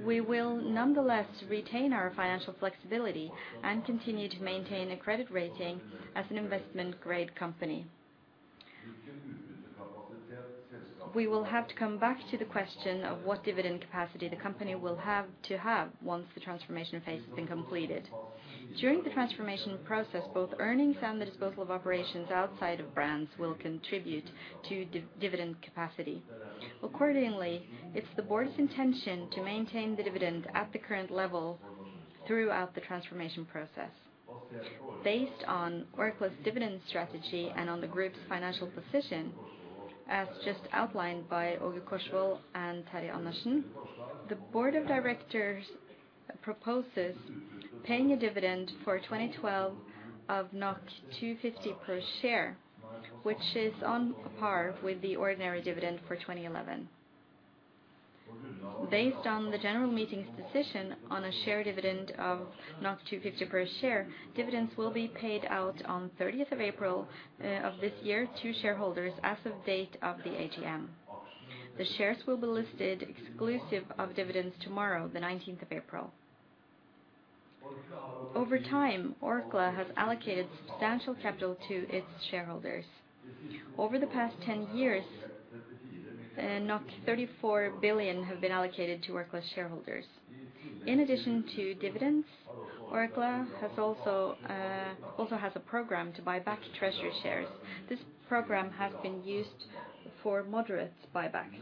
We will nonetheless retain our financial flexibility and continue to maintain a credit rating as an Investment Grade company. We will have to come back to the question of what dividend capacity the company will have to have once the transformation phase has been completed. During the transformation process, both earnings and the disposal of operations outside of brands will contribute to dividend capacity. Accordingly, it's the board's intention to maintain the dividend at the current level throughout the transformation process. Based on Orkla's dividend strategy and on the group's financial position, as just outlined by Åge Korsvold and Terje Andersen, the Board of Directors proposes paying a dividend for 2012 of 2.50 per share, which is on par with the ordinary dividend for 2011. Based on the general meeting's decision on a share dividend of 2.50 per share, dividends will be paid out on thirtieth of April of this year to shareholders as of date of the AGM. The shares will be listed exclusive of dividends tomorrow, the nineteenth of April. Over time, Orkla has allocated substantial capital to its shareholders. Over the past 10 years, 34 billion have been allocated to Orkla's shareholders. In addition to dividends, Orkla also has a program to buy back treasury shares. This program has been used for moderate buybacks.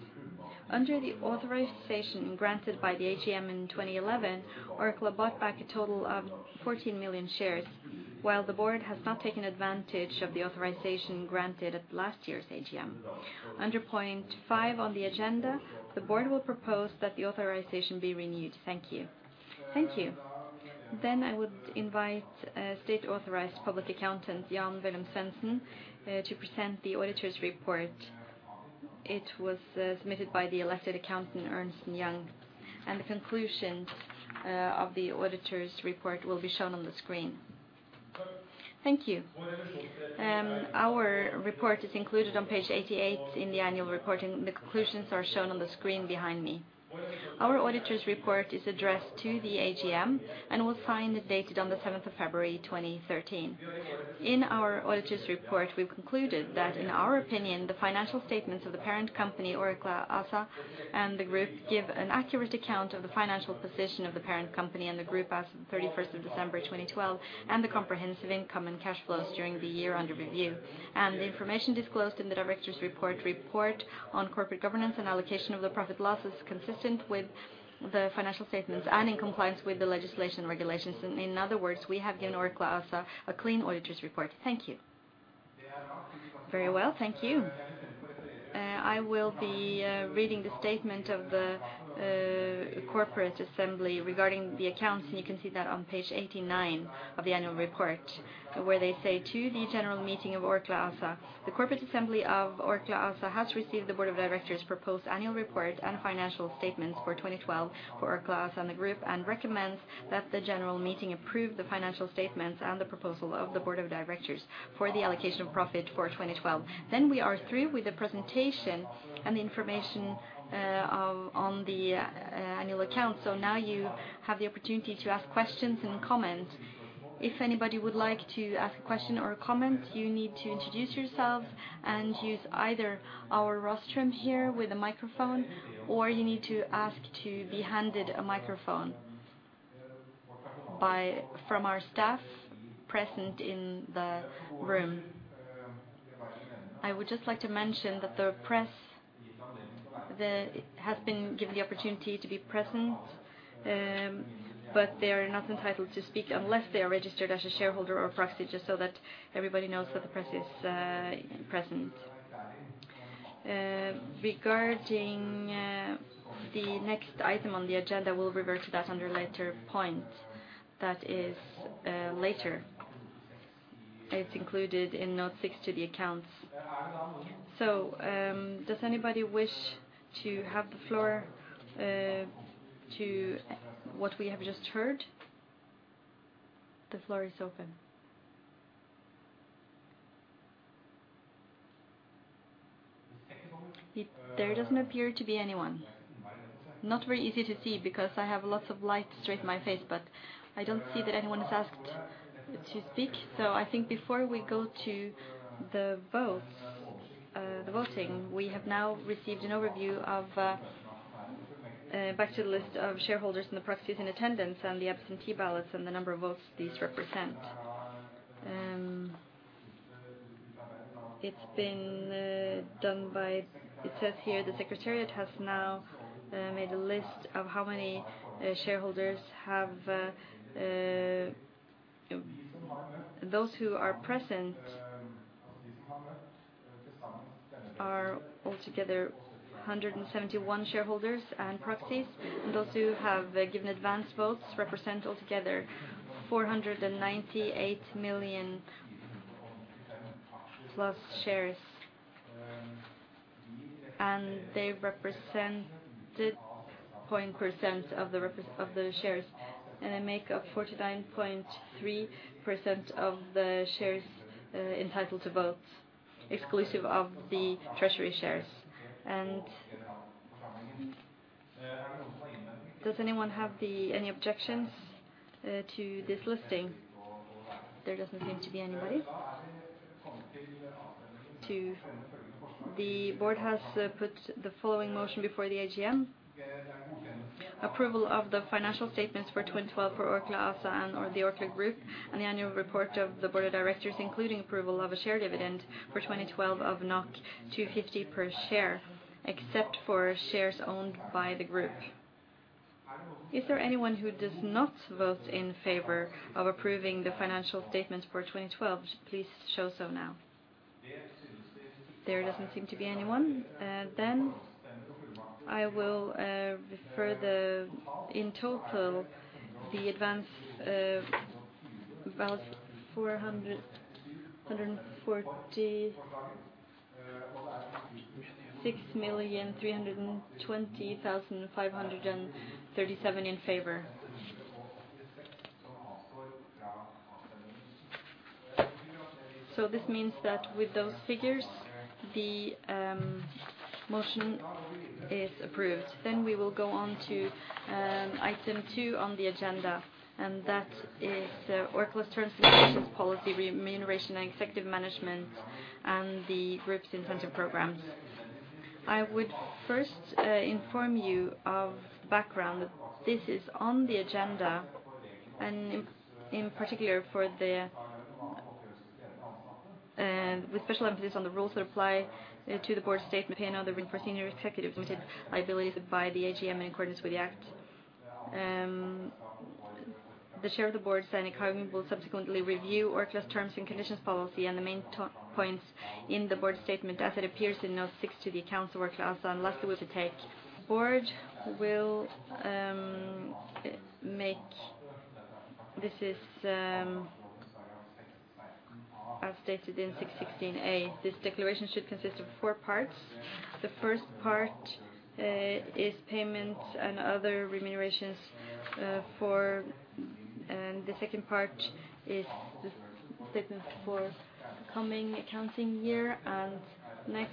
Under the authorization granted by the AGM in 2011, Orkla bought back a total of fourteen million shares, while the board has not taken advantage of the authorization granted at last year's AGM. Under point five on the agenda, the board will propose that the authorization be renewed. Thank you. Thank you. Then I would invite state-authorized public accountant Jan Willem Svendsen to present the auditor's report. It was submitted by the elected accountant, Ernst & Young, and the conclusion of the auditor's report will be shown on the screen. Thank you. Our report is included on page 88 in the annual report, and the conclusions are shown on the screen behind me. Our auditor's report is addressed to the AGM and was signed and dated on the seventh of February 2013. In our auditor's report, we've concluded that, in our opinion, the financial statements of the parent company, Orkla ASA, and the group give an accurate account of the financial position of the parent company and the group as of the thirty-first of December 2012, and the comprehensive income and cash flows during the year under review, and the information disclosed in the directors' report, report on corporate governance, and allocation of the profit/losses are consistent with the financial statements and in compliance with the legislation and regulations. In other words, we have given Orkla ASA a clean auditor's report. Thank you. Very well. Thank you. I will be reading the statement of the corporate assembly regarding the accounts, and you can see that on page eighty-nine of the annual report, where they say, "To the general meeting of Orkla ASA, the corporate assembly of Orkla ASA has received the Board of Directors' proposed annual report and financial statements for 2012 for Orkla ASA and the group, and recommends that the general meeting approve the financial statements and the proposal of the Board of Directors for the allocation of profit for 2012." Then we are through with the presentation and the information on the annual account. So now you have the opportunity to ask questions and comment. If anybody would like to ask a question or a comment, you need to introduce yourselves and use either our rostrum here with a microphone, or you need to ask to be handed a microphone by from our staff present in the room. I would just like to mention that the press has been given the opportunity to be present, but they are not entitled to speak unless they are registered as a shareholder or proxy, just so that everybody knows that the press is present. Regarding the next item on the agenda, we'll revert to that under a later point. That is later. It's included in note six to the accounts. So does anybody wish to have the floor to what we have just heard? The floor is open. There doesn't appear to be anyone. Not very easy to see, because I have lots of light straight in my face, but I don't see that anyone has asked to speak, so I think before we go to the votes, the voting, we have now received an overview of, back to the list of shareholders and the proxies in attendance and the absentee ballots and the number of votes these represent. It's been done by... It says here, the secretariat has now made a list of how many shareholders have those who are present are altogether 171 shareholders and proxies, and those who have given advanced votes represent altogether 498 million-plus shares, and they represented 0.1% of the represented shares, and they make up 49.3% of the shares entitled to votes, exclusive of the treasury shares. Does anyone have any objections to this listing? There doesn't seem to be anybody. The board has put the following motion before the AGM, approval of the financial statements for 2012 for Orkla ASA and, or the Orkla group, and the annual report of the board of directors, including approval of a share dividend for 2012 of 2.50 per share, except for shares owned by the group. Is there anyone who does not vote in favor of approving the financial statements for 2012? Please show so now. There doesn't seem to be anyone. Then I will refer the, in total, the advance ballots, 446,320,537 in favor. This means that with those figures, the motion is approved. Then we will go on to item two on the agenda, and that is the Orkla's terms and conditions policy, remuneration, and executive management, and the group's incentive programs. I would first inform you of the background. This is on the agenda, and in particular, with special emphasis on the rules that apply to the board statement here, now that we've seen senior executives limited liability by the AGM in accordance with the act. The Chair of the board, Stein Erik Hagen, will subsequently review Orkla's terms and conditions policy, and the main points in the board statement, as it appears in note six to the annual Orkla, and lastly, the board will make this, as stated in Section 6-16a, this declaration should consist of four parts. The first part is payment and other remunerations, and the second part is the statement for coming accounting year, and next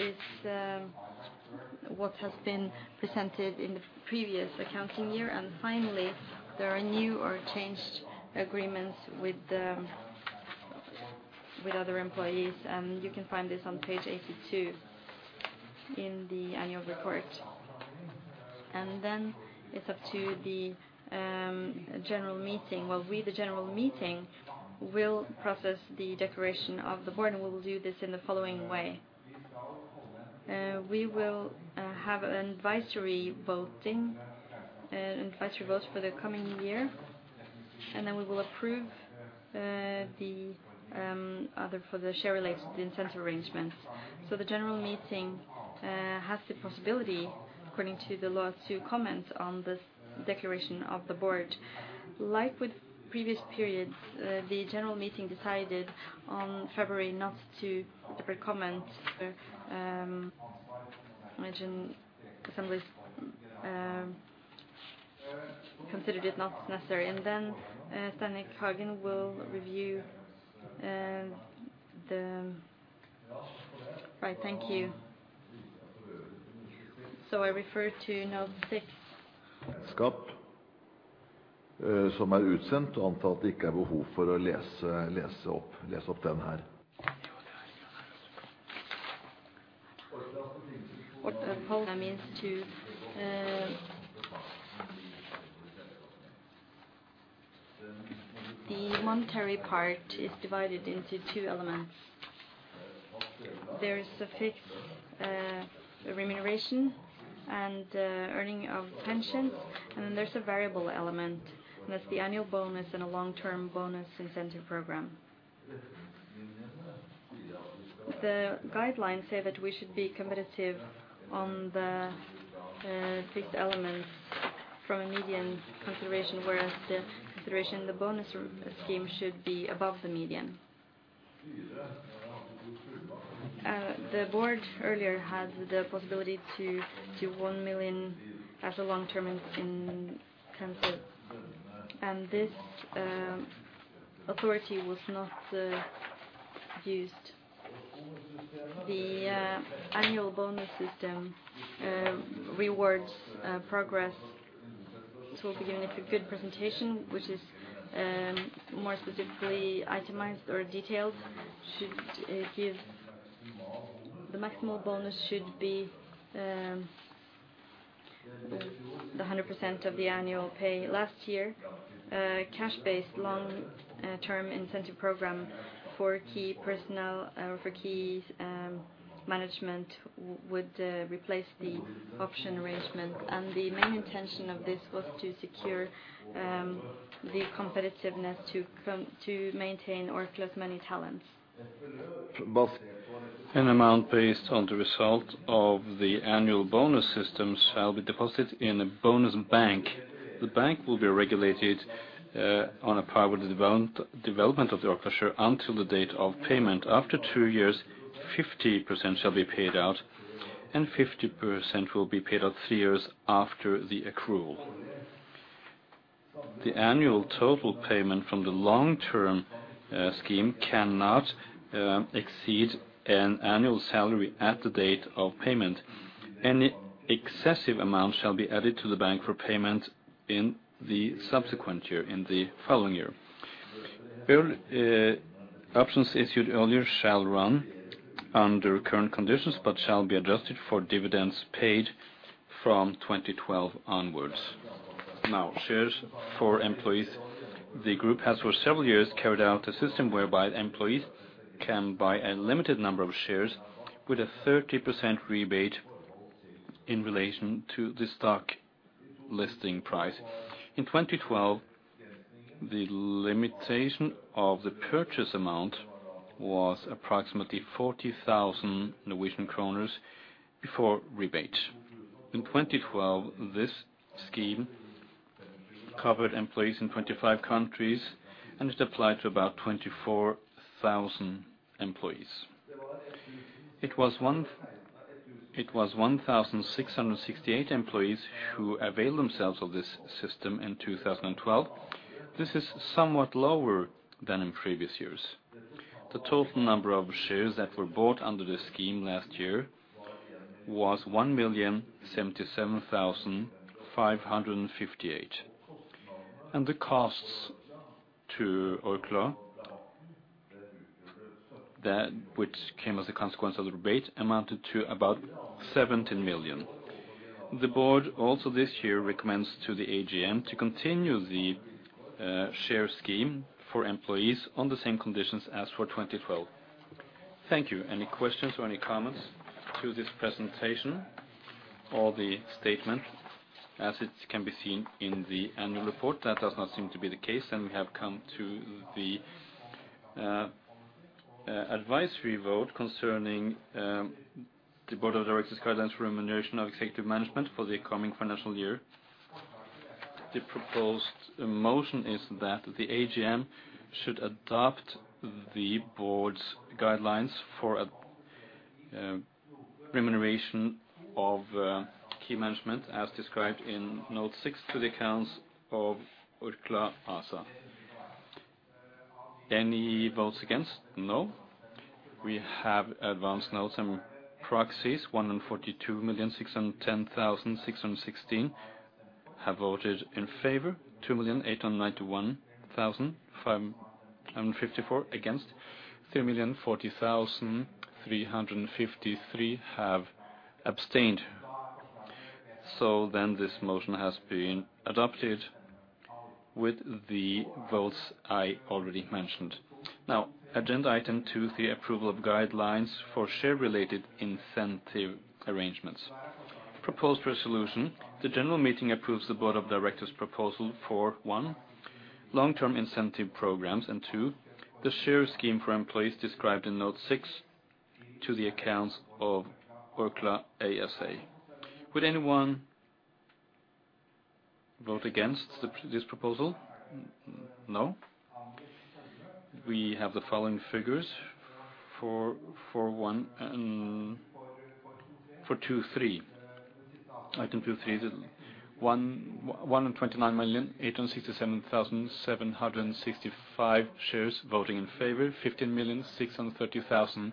is what has been presented in the previous accounting year, and finally there are new or changed agreements with other employees, and you can find this on page 82 in the annual report, and then it's up to the general meeting. Well, we, the general meeting, will process the declaration of the board, and we will do this in the following way. We will have an advisory vote for the coming year, and then we will approve the other for the share-related incentive arrangements, so the general meeting has the possibility, according to the law, to comment on this declaration of the board. Like with previous periods, the general meeting decided in February not to convene the Corporate Assembly, considered it not necessary. Then, Stein Erik Hagen will review. Right, thank you. So I refer to note six.... That means to, the monetary part is divided into two elements. There is a fixed, remuneration and, earning of pension, and then there's a variable element, and that's the annual bonus and a long-term bonus incentive program. The guidelines say that we should be competitive on the, fixed elements from a median consideration, whereas the consideration in the bonus scheme should be above the median. The board earlier had the possibility to one million as a long-term in, incentive, and this, authority was not, used. The, annual bonus system, rewards, progress. This will be given a good presentation, which is, more specifically itemized or detailed, should, give the maximum bonus should be, the 100% of the annual pay. Last year, a cash-based long-term incentive program for key personnel for key management would replace the option arrangement, and the main intention of this was to secure the competitiveness to maintain Orkla's many talents. An amount based on the result of the annual bonus system shall be deposited in a bonus bank. The bank will be regulated on a par with the development of the Orkla until the date of payment. After two years, 50% shall be paid out, and 50% will be paid out three years after the accrual. The annual total payment from the long-term scheme cannot exceed an annual salary at the date of payment. Any excessive amount shall be added to the bank for payment in the subsequent year, in the following year. Early options issued earlier shall run under current conditions, but shall be adjusted for dividends paid from 2012 onwards. Now, shares for employees. The group has for several years carried out a system whereby employees can buy a limited number of shares with a 30% rebate in relation to the stock listing price. In 2012, the limitation of the purchase amount was approximately 40,000 Norwegian kroner before rebate. In 2012, this scheme covered employees in 25 countries, and it applied to about 24,000 employees. It was 1,668 employees who availed themselves of this system in 2012. This is somewhat lower than in previous years. The total number of shares that were bought under this scheme last year was 1,077,558, and the costs to Orkla, that which came as a consequence of the rebate, amounted to about 17 million. The board, also this year, recommends to the AGM to continue the share scheme for employees on the same conditions as for 2012. Thank you. Any questions or any comments to this presentation or the statement, as it can be seen in the annual report? That does not seem to be the case, and we have come to the advisory vote concerning the board of directors' guidelines for remuneration of executive management for the coming financial year. The proposed motion is that the AGM should adopt the board's guidelines for a remuneration of key management, as described in note six to the accounts of Orkla ASA. Any votes against? No. We have advanced notes and proxies. 142,610,616 have voted in favor. Two million, eight hundred and ninety-one thousand, five hundred and fifty-four against. Three million, forty thousand, three hundred and fifty-three have abstained. So then this motion has been adopted with the votes I already mentioned. Now, agenda item two, the approval of guidelines for share-related incentive arrangements. Proposed resolution: the general meeting approves the board of directors' proposal for one, long-term incentive programs, and two, the share scheme for employees described in note six to the accounts of Orkla ASA. Would anyone vote against this proposal? No. We have the following figures for one and for two and three. Item two three, one hundred and twenty-nine million, eight hundred and sixty-seven thousand, seven hundred and sixty-five shares voting in favor, fifteen million, six hundred and thirty thousand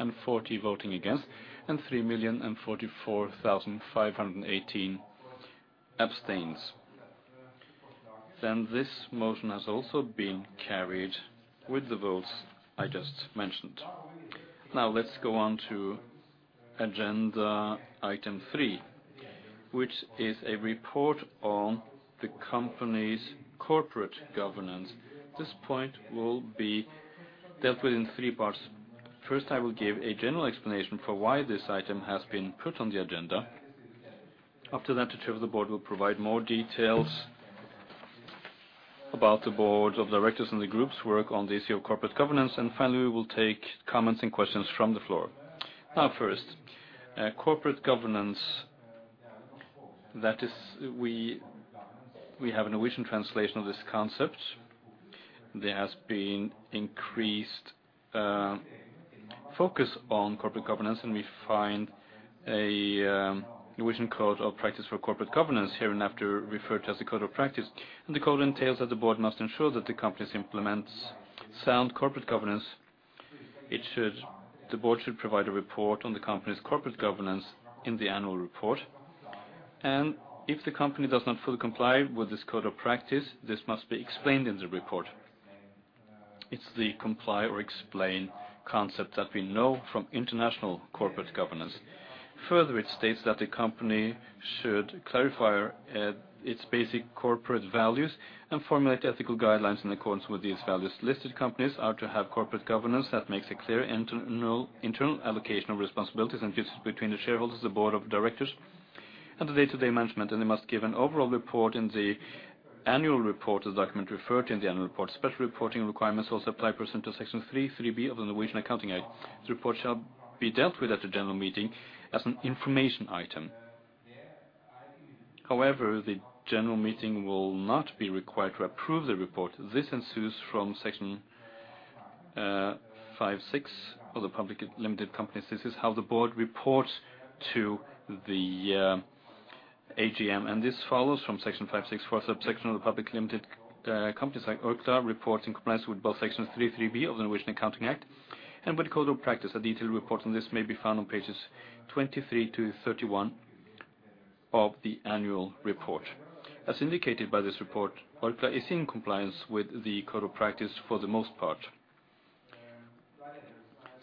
and forty voting against, and three million and forty-four thousand, five hundred and eighteen abstains. Then this motion has also been carried with the votes I just mentioned. Now, let's go on to agenda item three, which is a report on the company's corporate governance. This point will be dealt with in three parts. First, I will give a general explanation for why this item has been put on the agenda. After that, the Chair of the Board will provide more details about the Board of Directors and the group's work on the issue of corporate governance, and finally, we will take comments and questions from the floor. Now, first, corporate governance, that is, we have a Norwegian translation of this concept. There has been increased focus on corporate governance, and we find a Norwegian code of practice for corporate governance, hereinafter referred to as the code of practice. The code entails that the board must ensure that the company implements sound corporate governance. The board should provide a report on the company's corporate governance in the annual report, and if the company does not fully comply with this code of practice, this must be explained in the report. It's the comply or explain concept that we know from international corporate governance. Further, it states that the company should clarify its basic corporate values and formulate ethical guidelines in accordance with these values. Listed companies are to have corporate governance that makes a clear internal allocation of responsibilities and duties between the shareholders, the board of directors, and the day-to-day management, and they must give an overall report in the annual report, as document referred in the annual report. Special reporting requirements also apply pursuant to Section 3-3b of the Norwegian Accounting Act. The report shall be dealt with at the general meeting as an information item. However, the general meeting will not be required to approve the report. This ensues from Section 5-6 of the public limited companies. This is how the board reports to the AGM, and this follows from Section 5-6, fourth subsection of the public limited companies like Orkla report in compliance with both Section 3-3b of the Norwegian Accounting Act and by the code of practice. A detailed report on this may be found on pages twenty-three to thirty-one of the annual report. As indicated by this report, Orkla is in compliance with the code of practice for the most part.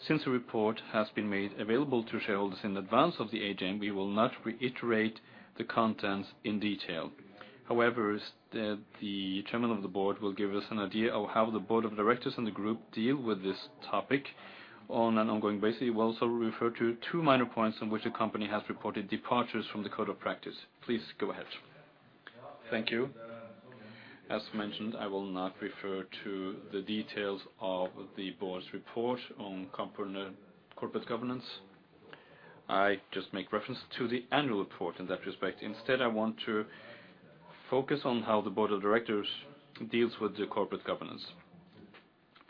Since the report has been made available to shareholders in advance of the AGM, we will not reiterate the contents in detail. However, as the Chairman of the Board will give us an idea of how the Board of Directors and the group deal with this topic on an ongoing basis. We will also refer to two minor points on which the company has reported departures from the code of practice. Please go ahead. Thank you. As mentioned, I will not refer to the details of the board's report on corporate governance. I just make reference to the annual report in that respect. Instead, I want to focus on how the Board of Directors deals with the corporate governance.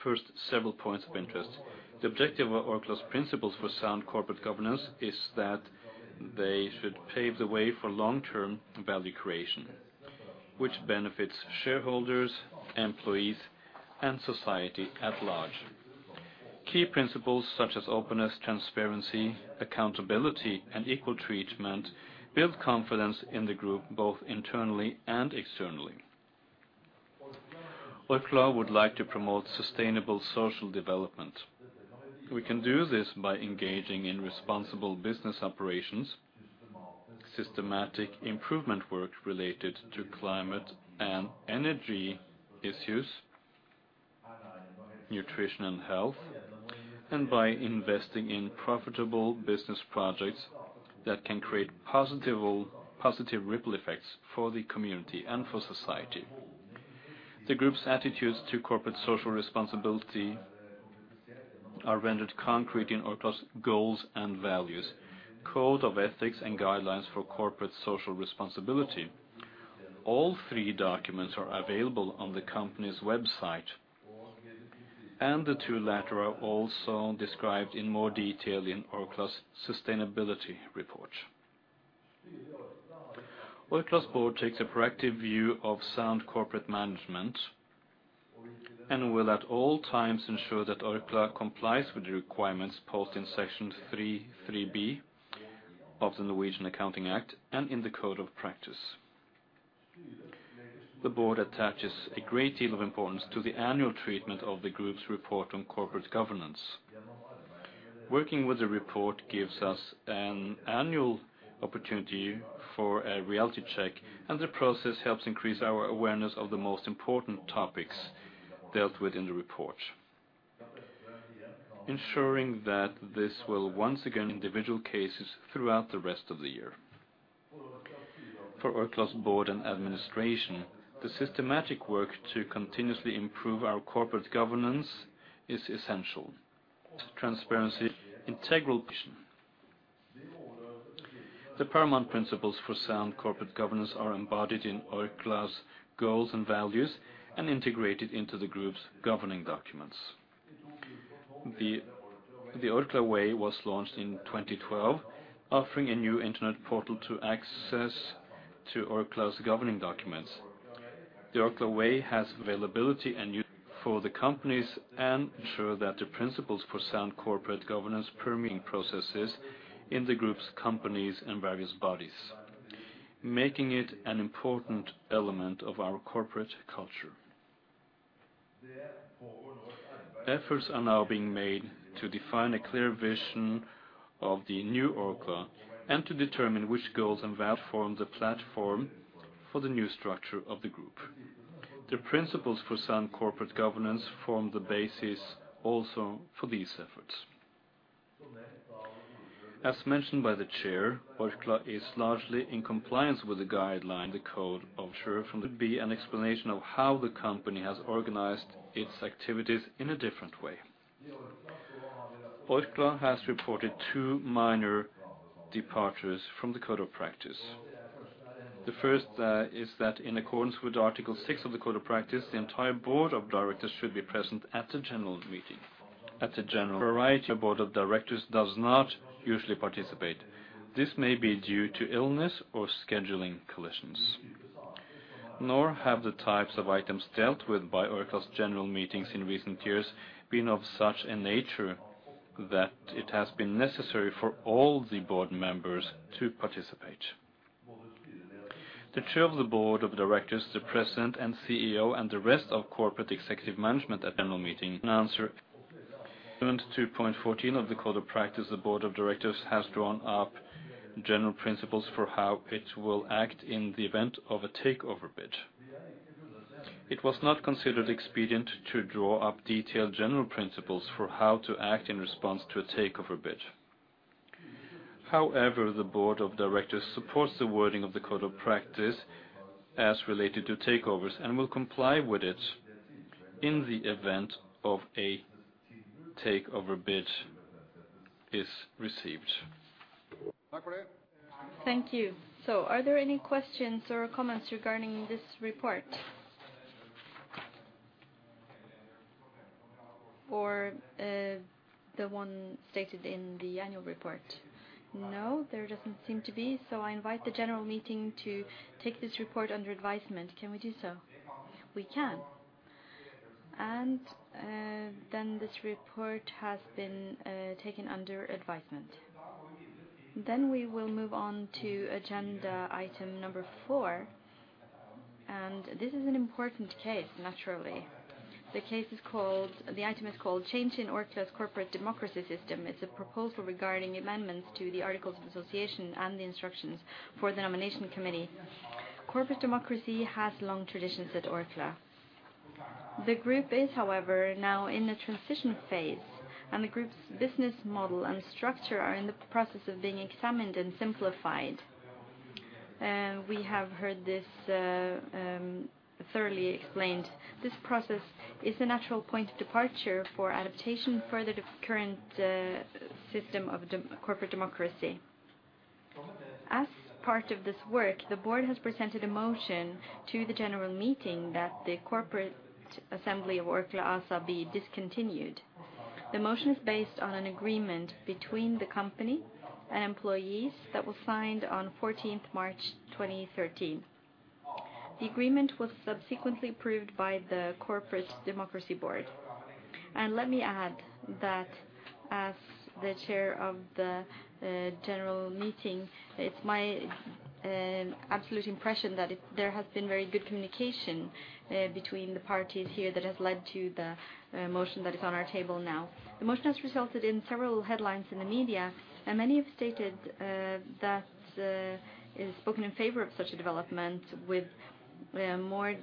First, several points of interest. The objective of Orkla's principles for sound corporate governance is that they should pave the way for long-term value creation, which benefits shareholders, employees, and society at large. Key principles such as openness, transparency, accountability, and equal treatment build confidence in the group, both internally and externally. Orkla would like to promote sustainable social development. We can do this by engaging in responsible business operations, systematic improvement work related to climate and energy issues, nutrition and health, and by investing in profitable business projects that can create positive ripple effects for the community and for society. The group's attitudes to corporate social responsibility are rendered concrete in Orkla's goals and values, code of ethics, and guidelines for corporate social responsibility. All three documents are available on the company's website, and the two latter are also described in more detail in Orkla's sustainability report. Orkla's board takes a proactive view of sound corporate management, and will at all times ensure that Orkla complies with the requirements posted in Section three, three-B of the Norwegian Accounting Act and in the Code of Practice. The board attaches a great deal of importance to the annual treatment of the group's report on corporate governance. Working with the report gives us an annual opportunity for a reality check, and the process helps increase our awareness of the most important topics dealt with in the report. Ensuring that this will once again... individual cases throughout the rest of the year. For Orkla's board and administration, the systematic work to continuously improve our corporate governance is essential. Transparency, integral position. The paramount principles for sound corporate governance are embodied in Orkla's goals and values, and integrated into the group's governing documents. The Orkla Way was launched in 2012, offering a new internet portal to access Orkla's governing documents. The Orkla Way has availability and usefulness for the companies, and ensure that the principles for sound corporate governance permeate processes in the group's companies and various bodies, making it an important element of our corporate culture. Efforts are now being made to define a clear vision of the new Orkla, and to determine which goals and values form the platform for the new structure of the group. The principles for sound corporate governance form the basis also for these efforts. As mentioned by the chair, Orkla is largely in compliance with the guideline, the code. Comply or explain would be an explanation of how the company has organized its activities in a different way. Orkla has reported two minor departures from the Code of Practice. The first is that in accordance with Article six of the Code of Practice, the entire board of directors should be present at the general meeting. At the general meeting, a variety of the board of directors does not usually participate. This may be due to illness or scheduling collisions. Nor have the types of items dealt with by Orkla's general meetings in recent years been of such a nature that it has been necessary for all the board members to participate. The Chair of the Board of Directors, the President and CEO, and the rest of corporate executive management at the annual meeting. In answer to point fourteen of the Code of Practice, the board of directors has drawn up general principles for how it will act in the event of a takeover bid. It was not considered expedient to draw up detailed general principles for how to act in response to a takeover bid. However, the Board of Directors supports the wording of the Code of Practice as related to takeovers, and will comply with it in the event of a takeover bid is received. Thank you. So are there any questions or comments regarding this report? Or, the one stated in the annual report? No, there doesn't seem to be, so I invite the general meeting to take this report under advisement. Can we do so? We can. And, then this report has been, taken under advisement. Then we will move on to agenda item number four, and this is an important case, naturally. The case is called... The item is called Change in Orkla's Corporate Democracy System. It's a proposal regarding amendments to the Articles of Association and the instructions for the nomination committee. Corporate democracy has long traditions at Orkla. The group is, however, now in a transition phase, and the group's business model and structure are in the process of being examined and simplified. We have heard this, thoroughly explained. This process is a natural point of departure for adaptation for the current system of corporate democracy. As part of this work, the board has presented a motion to the general meeting that the corporate assembly of Orkla ASA be discontinued. The motion is based on an agreement between the company and employees that was signed on fourteenth March 2013. The agreement was subsequently approved by the Corporate Democracy Board. And let me add that as the chair of the general meeting, it's my absolute impression that there has been very good communication between the parties here that has led to the motion that is on our table now. The motion has resulted in several headlines in the media, and many have stated that is spoken in favor of such a development with more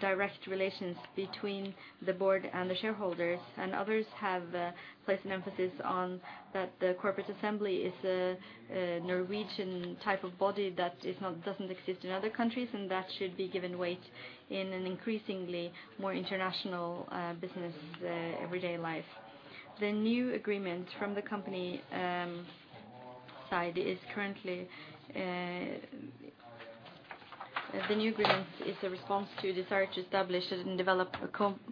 direct relations between the board and the shareholders, and others have placed an emphasis on that the corporate assembly is a Norwegian type of body that doesn't exist in other countries, and that should be given weight in an increasingly more international business everyday life. The new agreement from the company side is currently. The new agreement is a response to desire to establish and develop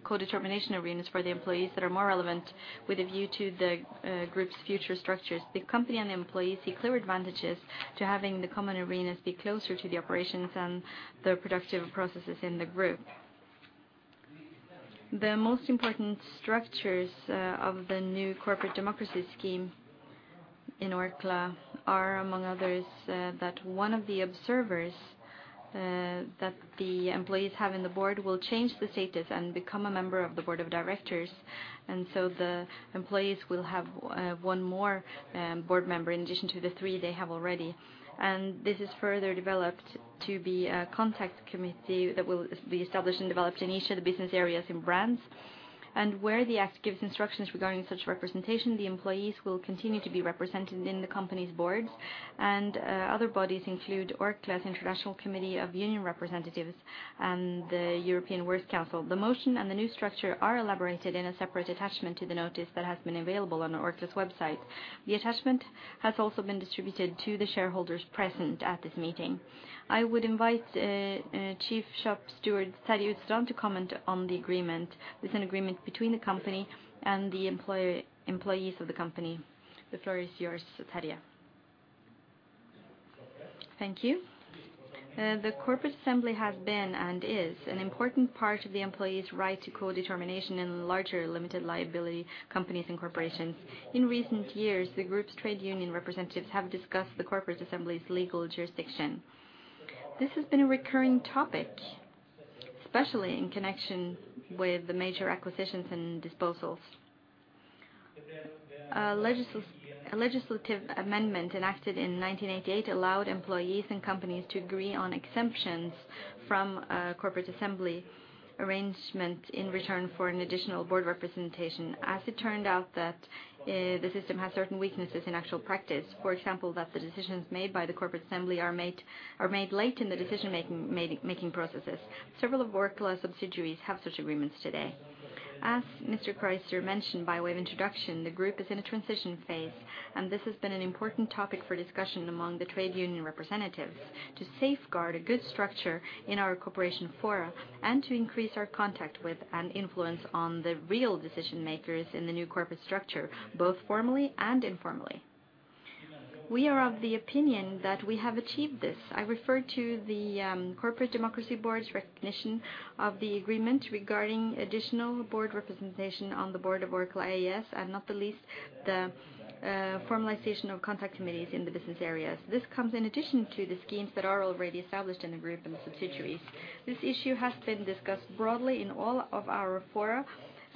codetermination arenas for the employees that are more relevant with a view to the group's future structures. The company and the employees see clear advantages to having the common arenas be closer to the operations and the productive processes in the group. The most important structures of the new corporate democracy scheme in Orkla are, among others, that one of the observers that the employees have in the board will change the status and become a member of the board of directors. And so the employees will have one more board member in addition to the three they have already. And this is further developed to be a contact committee that will be established and developed in each of the business areas and brands. And where the act gives instructions regarding such representation, the employees will continue to be represented in the company's boards. And other bodies include Orkla's International Committee of Union Representatives and the European Works Council. The motion and the new structure are elaborated in a separate attachment to the notice that has been available on Orkla's website. The attachment has also been distributed to the shareholders present at this meeting. I would invite Chief Shop Steward Terje Sunde to comment on the agreement. It's an agreement between the company and the employees of the company. The floor is yours, Terje. Thank you. The corporate assembly has been, and is, an important part of the employees' right to codetermination in larger limited liability companies and corporations. In recent years, the group's trade union representatives have discussed the corporate assembly's legal jurisdiction. This has been a recurring topic, especially in connection with the major acquisitions and disposals. Legislative amendment enacted in nineteen eighty-eight allowed employees and companies to agree on exemptions from corporate assembly arrangement in return for an additional board representation. As it turned out that, the system has certain weaknesses in actual practice, for example, that the decisions made by the Corporate Assembly are made late in the decision-making processes. Several of Orkla's subsidiaries have such agreements today. As Mr. Kreutzer mentioned by way of introduction, the group is in a transition phase, and this has been an important topic for discussion among the trade union representatives to safeguard a good structure in our corporation forum and to increase our contact with and influence on the real decision-makers in the new corporate structure, both formally and informally. We are of the opinion that we have achieved this. I refer to the Corporate Democracy Board's recognition of the agreement regarding additional board representation on the board of Orkla ASA, and not the least, the formalization of contact committees in the business areas. This comes in addition to the schemes that are already established in the group and the subsidiaries. This issue has been discussed broadly in all of our fora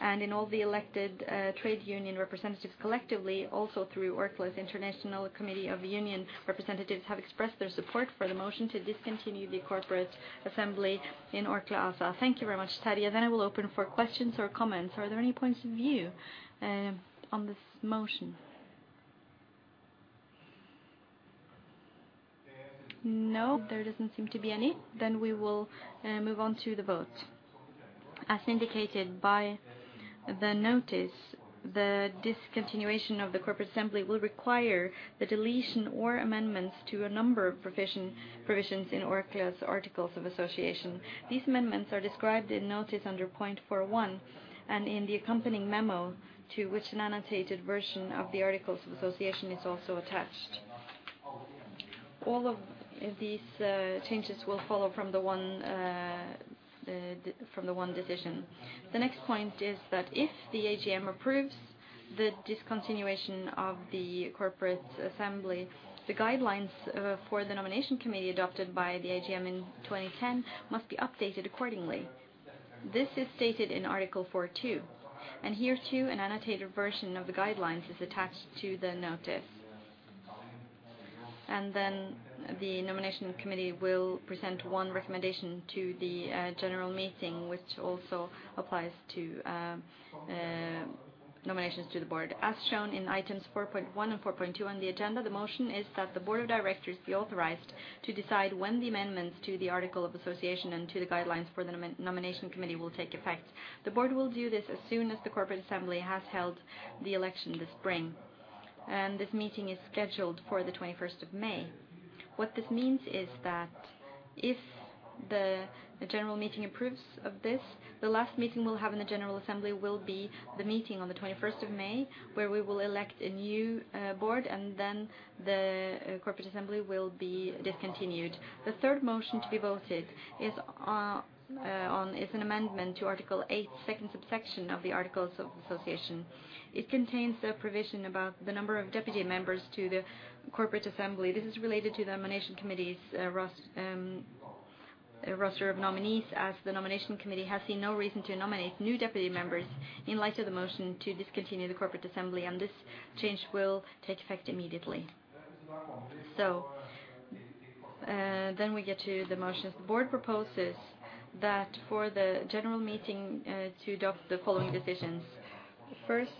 and in all the elected, trade union representatives collectively, also through Orkla's International Committee of Union Representatives, have expressed their support for the motion to discontinue the Corporate Assembly in Orkla ASA. Thank you very much, Terje. Then I will open for questions or comments. Are there any points of view, on this motion? No, there doesn't seem to be any. Then we will, move on to the vote. As indicated by the notice, the discontinuation of the Corporate Assembly will require the deletion or amendments to a number of provisions in Orkla's Articles of Association. These amendments are described in notice under point 4.1, and in the accompanying memo, to which an annotated version of the Articles of Association is also attached. All of these changes will follow from the one decision. The next point is that if the AGM approves the discontinuation of the corporate assembly, the guidelines for the nomination committee, adopted by the AGM in 2010, must be updated accordingly. This is stated in Article 4.2, and hereto, an annotated version of the guidelines is attached to the notice. Then the nomination committee will present one recommendation to the general meeting, which also applies to nominations to the board. As shown in items four point one and four point two on the agenda, the motion is that the Board of Directors be authorized to decide when the amendments to the Articles of Association and to the guidelines for the nomination committee will take effect. The Board will do this as soon as the Corporate Assembly has held the election this spring, and this meeting is scheduled for the twenty-first of May. What this means is that if the general meeting approves of this, the last meeting we'll have in the Corporate Assembly will be the meeting on the twenty-first of May, where we will elect a new board, and then the Corporate Assembly will be discontinued. The third motion to be voted is an amendment to Article eight, second subsection of the Articles of Association. It contains a provision about the number of deputy members to the Corporate Assembly. This is related to the Nomination Committee's roster of nominees, as the Nomination Committee has seen no reason to nominate new deputy members in light of the motion to discontinue the Corporate Assembly, and this change will take effect immediately. Then we get to the motions. The Board proposes that for the General Meeting to adopt the following decisions. First,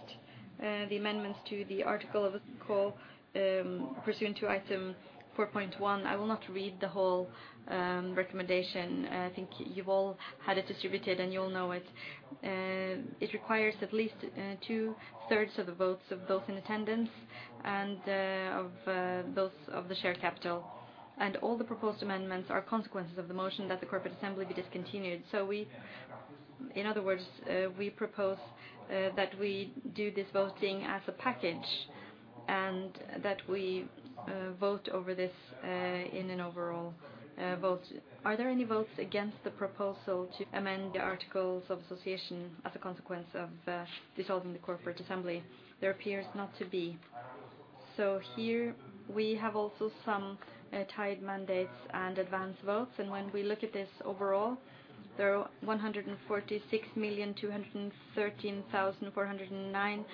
the amendments to the Articles of Association, pursuant to item four point one, I will not read the whole recommendation. I think you've all had it distributed, and you all know it. It requires at least two-thirds of the votes of those in attendance and of those of the share capital. And all the proposed amendments are consequences of the motion that the Corporate Assembly be discontinued. So we, in other words, we propose that we do this voting as a package and that we vote over this in an overall vote. Are there any votes against the proposal to amend the Articles of Association as a consequence of dissolving the Corporate Assembly? There appears not to be. So here we have also some tied mandates and advanced votes, and when we look at this overall, there are one hundred and forty-six million, two hundred and thirteen thousand, four hundred and nine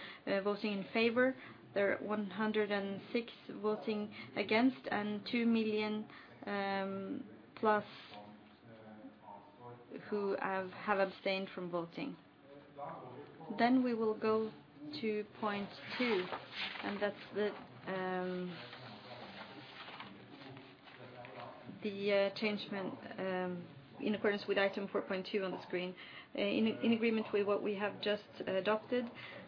voting in favor. There are one hundred and six voting against, and two million plus who have abstained from voting. Then we will go to point two, and that's the amendment in accordance with item four point two on the screen. In agreement with what we have just adopted,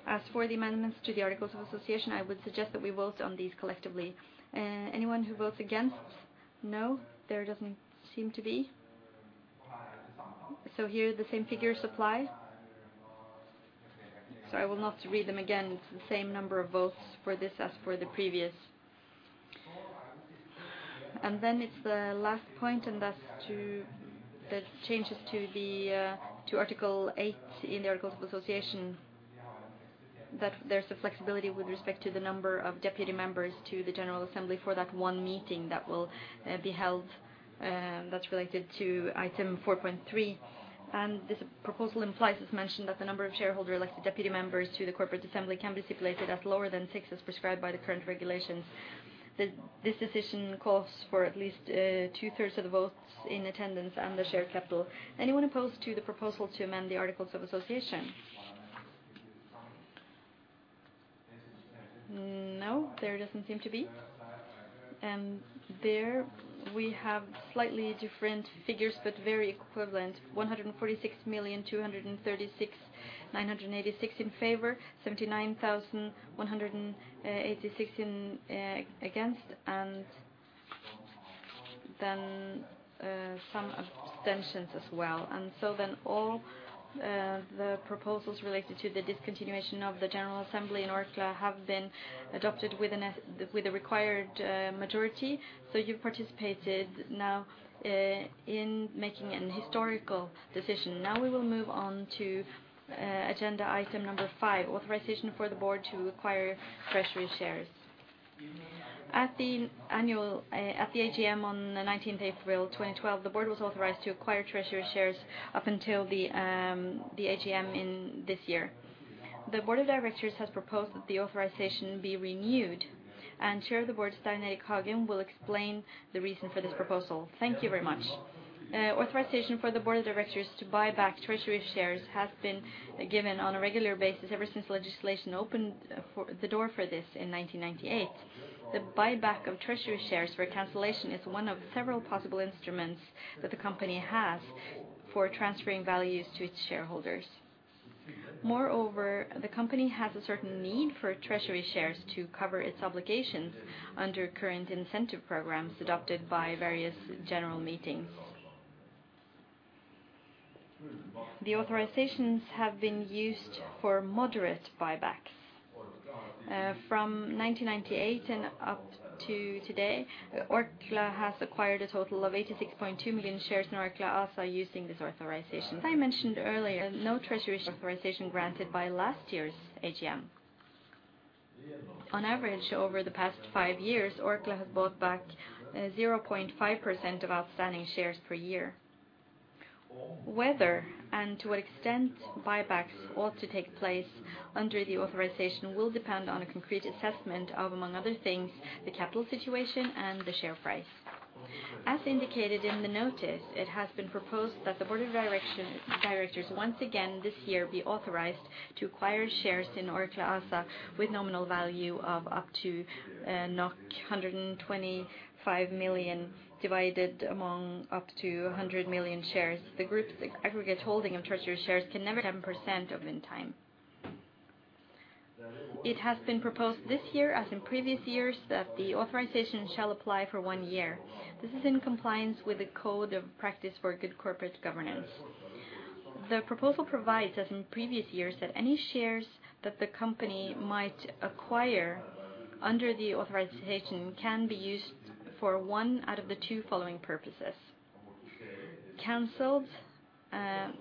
as for the amendments to the Articles of Association, I would suggest that we vote on these collectively. Anyone who votes against? No, there doesn't seem to be. So here, the same figures apply, so I will not read them again. It's the same number of votes for this as for the previous. And then it's the last point, and that's the changes to Article eight in the Articles of Association, that there's a flexibility with respect to the number of deputy members to the Corporate Assembly for that one meeting that will be held, that's related to item four point three. This proposal implies, as mentioned, that the number of shareholder elected deputy members to the corporate assembly can be stipulated as lower than six, as prescribed by the current regulations. This decision calls for at least two-thirds of the votes in attendance and the share capital. Anyone opposed to the proposal to amend the articles of association? No, there doesn't seem to be. And there we have slightly different figures, but very equivalent. One hundred and forty-six million, two hundred and thirty-six, nine hundred and eighty-six in favor, seventy-nine thousand, one hundred and eighty-six against, and then some abstentions as well. And so then all the proposals related to the discontinuation of the Corporate Assembly in Orkla have been adopted with the required majority. So you've participated now in making an historical decision. Now we will move on to agenda item number five, authorization for the board to acquire treasury shares. At the annual at the AGM on the nineteenth of April, 2012, the board was authorized to acquire treasury shares up until the AGM in this year. The board of directors has proposed that the authorization be renewed, and Chair of the board, Stein Erik Hagen, will explain the reason for this proposal. Thank you very much. Authorization for the board of directors to buy back treasury shares has been given on a regular basis ever since legislation opened the door for this in 1998. The buyback of treasury shares for cancellation is one of several possible instruments that the company has for transferring values to its shareholders. Moreover, the company has a certain need for treasury shares to cover its obligations under current incentive programs adopted by various general meetings. The authorizations have been used for moderate buybacks. From nineteen ninety-eight and up to today, Orkla has acquired a total of 86.2 million shares in Orkla ASA using this authorization. As I mentioned earlier, no treasury authorization granted by last year's AGM. On average, over the past five years, Orkla has bought back 0.5% of outstanding shares per year. Whether and to what extent buybacks ought to take place under the authorization will depend on a concrete assessment of, among other things, the capital situation and the share price. As indicated in the notice, it has been proposed that the Board of Directors, once again, this year, be authorized to acquire shares in Orkla ASA with nominal value of up to 125 million, divided among up to 100 million shares. The group's aggregate holding of treasury shares can never exceed 10% of the share capital at any time. It has been proposed this year, as in previous years, that the authorization shall apply for one year. This is in compliance with the code of practice for good corporate governance. The proposal provides, as in previous years, that any shares that the company might acquire under the authorization can be used for one out of the two following purposes: canceled, and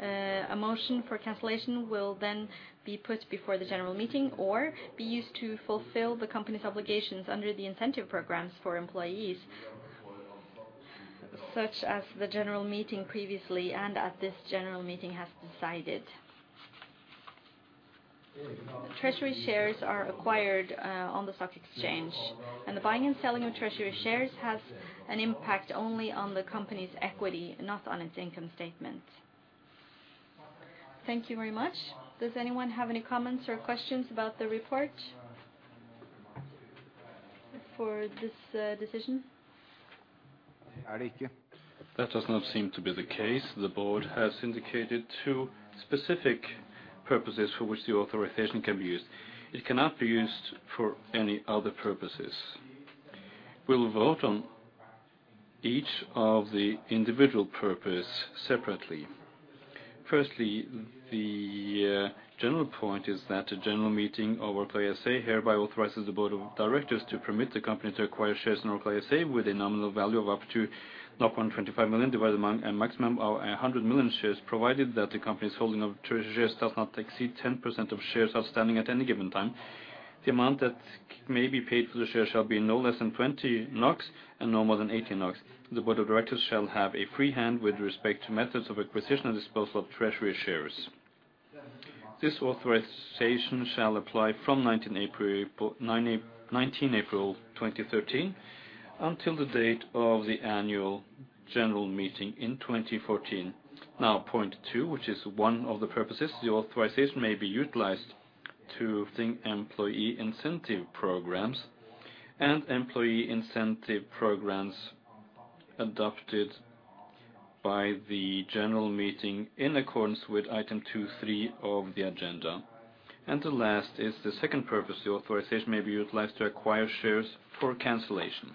a motion for cancellation will then be put before the general meeting, or be used to fulfill the company's obligations under the incentive programs for employees, such as the general meeting previously and at this general meeting has decided. Treasury Shares are acquired on the stock exchange, and the buying and selling of Treasury Shares has an impact only on the company's equity, not on its income statement. Thank you very much. Does anyone have any comments or questions about the report for this decision? That does not seem to be the case. The board has indicated two specific purposes for which the authorization can be used. It cannot be used for any other purposes. We will vote on each of the individual purposes separately. Firstly, the general point is that the general meeting of Orkla ASA hereby authorizes the board of directors to permit the company to acquire shares in Orkla ASA with a nominal value of up to 125 million, divided among a maximum of 100 million shares, provided that the company's holding of treasury shares does not exceed 10% of shares outstanding at any given time. The amount that may be paid for the share shall be no less than 20 NOK and no more than 18 NOK. The board of directors shall have a free hand with respect to methods of acquisition and disposal of treasury shares. This authorization shall apply from nineteen April twenty thirteen, until the date of the annual general meeting in twenty fourteen. Now, point two, which is one of the purposes, the authorization may be utilized to implement employee incentive programs and employee incentive programs adopted by the general meeting in accordance with item two, three of the agenda. And the last is the second purpose. The authorization may be utilized to acquire shares for cancellation.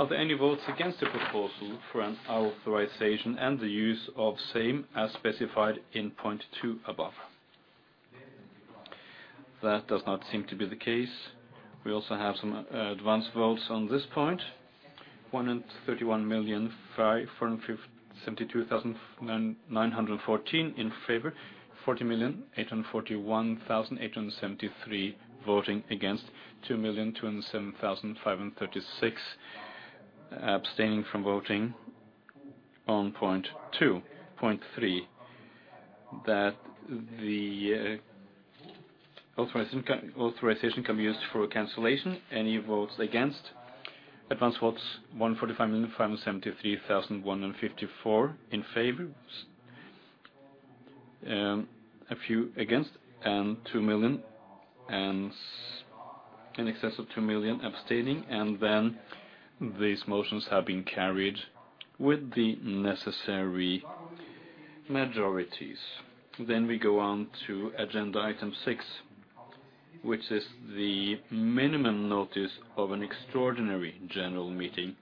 Are there any votes against the proposal for an authorization and the use of same as specified in point two above? That does not seem to be the case. We also have some advance votes on this point. One hundred and thirty-one million, five hundred and fifty-seven thousand, nine hundred and fourteen in favor. Forty million, eight hundred and forty-one thousand, eight hundred and seventy-three voting against. Two million, two hundred and seven thousand, five hundred and thirty-six abstaining from voting on point two. Point three, that the authorization can be used for cancellation. Any votes against? Advance votes, one forty-five million, five hundred and seventy-three thousand, one hundred and fifty-four in favor. A few against, and two million, and in excess of two million abstaining, and then these motions have been carried with the necessary majorities. Then we go on to agenda item six, which is the minimum notice of an extraordinary general meeting.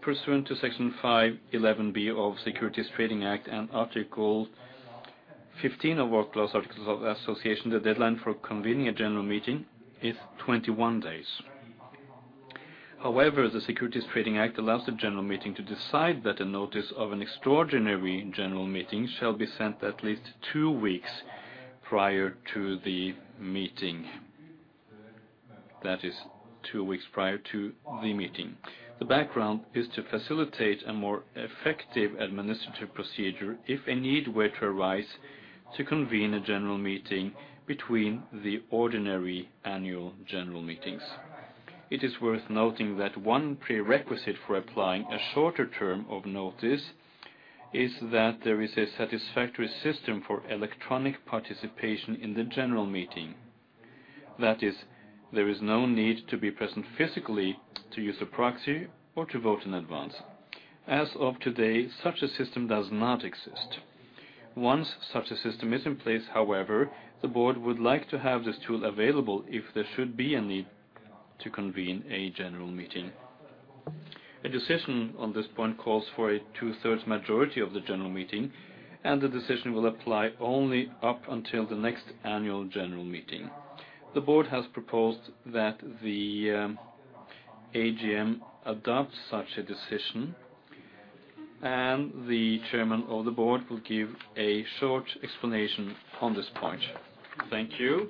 Pursuant to Section 5-11b of Securities Trading Act and Article fifteen of Orkla's Articles of Association, the deadline for convening a general meeting is twenty-one days. However, the Securities Trading Act allows the general meeting to decide that a notice of an extraordinary general meeting shall be sent at least two weeks prior to the meeting. That is two weeks prior to the meeting. The background is to facilitate a more effective administrative procedure, if a need were to arise, to convene a general meeting between the ordinary annual general meetings. It is worth noting that one prerequisite for applying a shorter term of notice is that there is a satisfactory system for electronic participation in the general meeting. That is, there is no need to be present physically to use a proxy or to vote in advance. As of today, such a system does not exist. Once such a system is in place, however, the board would like to have this tool available if there should be a need to convene a general meeting. A decision on this point calls for a two-thirds majority of the general meeting, and the decision will apply only up until the next annual general meeting. The board has proposed that the AGM adopt such a decision, and the chairman of the board will give a short explanation on this point. Thank you.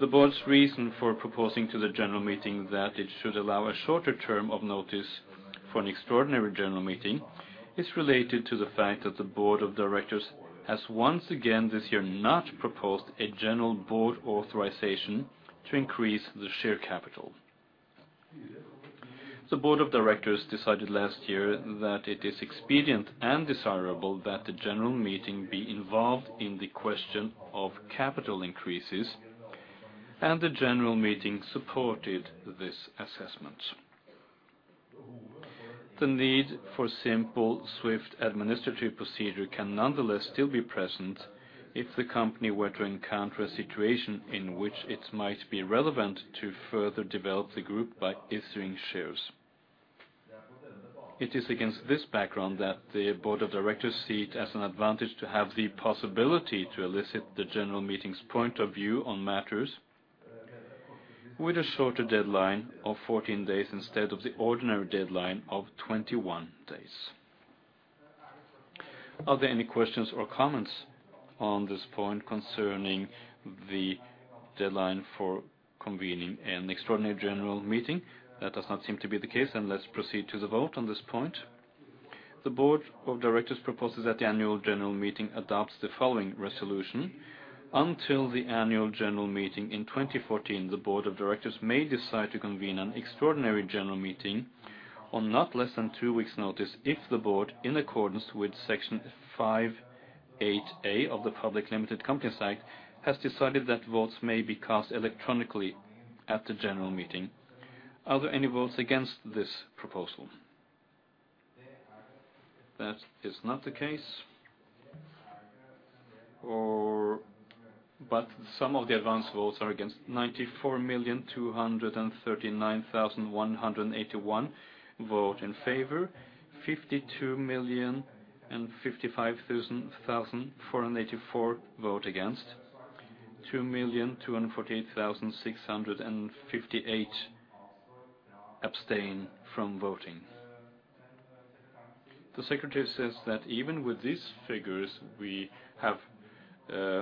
The board's reason for proposing to the general meeting that it should allow a shorter term of notice for an extraordinary general meeting is related to the fact that the board of directors has once again, this year, not proposed a general board authorization to increase the share capital. The board of directors decided last year that it is expedient and desirable that the general meeting be involved in the question of capital increases, and the general meeting supported this assessment. The need for simple, swift administrative procedure can nonetheless still be present if the company were to encounter a situation in which it might be relevant to further develop the group by issuing shares. It is against this background that the Board of Directors see it as an advantage to have the possibility to elicit the general meeting's point of view on matters, with a shorter deadline of fourteen days instead of the ordinary deadline of twenty-one days. Are there any questions or comments on this point concerning the deadline for convening an extraordinary general meeting? That does not seem to be the case, then let's proceed to the vote on this point. The Board of Directors proposes that the annual general meeting adopts the following resolution: Until the annual general meeting in 2014, the Board of Directors may decide to convene an extraordinary general meeting on not less than two weeks' notice, if the Board, in accordance with Section 5-8a of the Public Limited Company Act, has decided that votes may be cast electronically at the general meeting. Are there any votes against this proposal? That is not the case. But some of the advance votes are against. Ninety-four million two hundred and thirty-nine thousand one hundred and eighty-one vote in favor. Fifty-two million and fifty-five thousand four hundred and eighty-four vote against. Two million two hundred and forty-eight thousand six hundred and fifty-eight abstain from voting. The secretary says that even with these figures, we have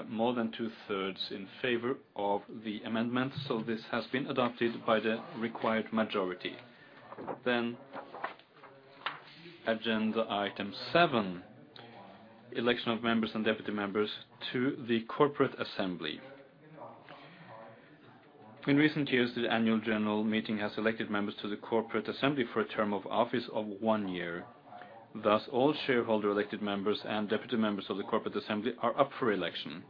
more than two-thirds in favor of the amendment, so this has been adopted by the required majority. Then, agenda item seven, election of members and deputy members to the Corporate Assembly. In recent years, the Annual General Meeting has elected members to the Corporate Assembly for a term of office of one year. Thus, all shareholder- elected members and deputy members of the Corporate Assembly are up for election.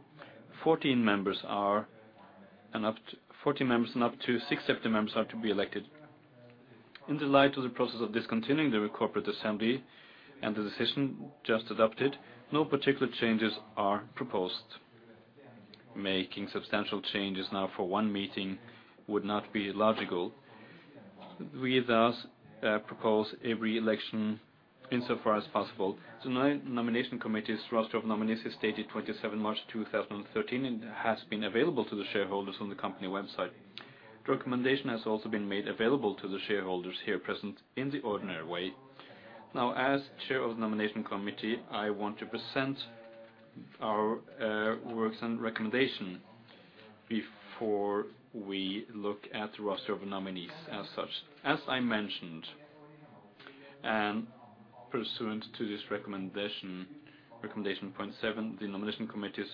Fourteen members, and up to six deputy members, are to be elected. In the light of the process of discontinuing the Corporate Assembly and the decision just adopted, no particular changes are proposed. Making substantial changes now for one meeting would not be logical. We thus propose a re-election insofar as possible. Nomination committee's roster of nominees is dated twenty-seven March two thousand and thirteen, and has been available to the shareholders on the company website. The recommendation has also been made available to the shareholders here present in the ordinary way. Now, as Chair of the Nomination Committee, I want to present our works and recommendation before we look at the roster of nominees as such. As I mentioned, and pursuant to this recommendation, recommendation point seven, the Nomination Committee's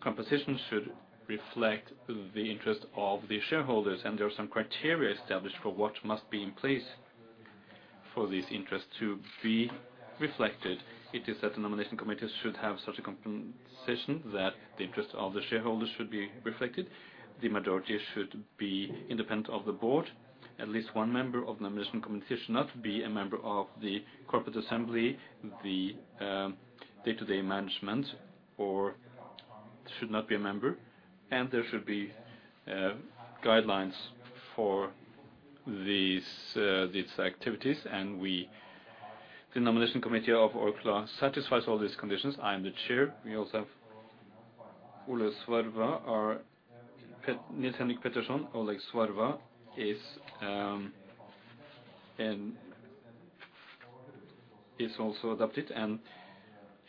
composition should reflect the interest of the shareholders, and there are some criteria established for what must be in place for this interest to be reflected. It is that the Nomination Committee should have such a composition, that the interest of the shareholders should be reflected. The majority should be independent of the board. At least one member of the nomination committee should not be a member of the corporate assembly. The day-to-day management or should not be a member, and there should be guidelines for these activities. And we, the nomination committee of Orkla satisfies all these conditions. I am the chair. We also have Olav Svarva, our Nils-Henrik Pettersson. Olav Svarva is also adopted, and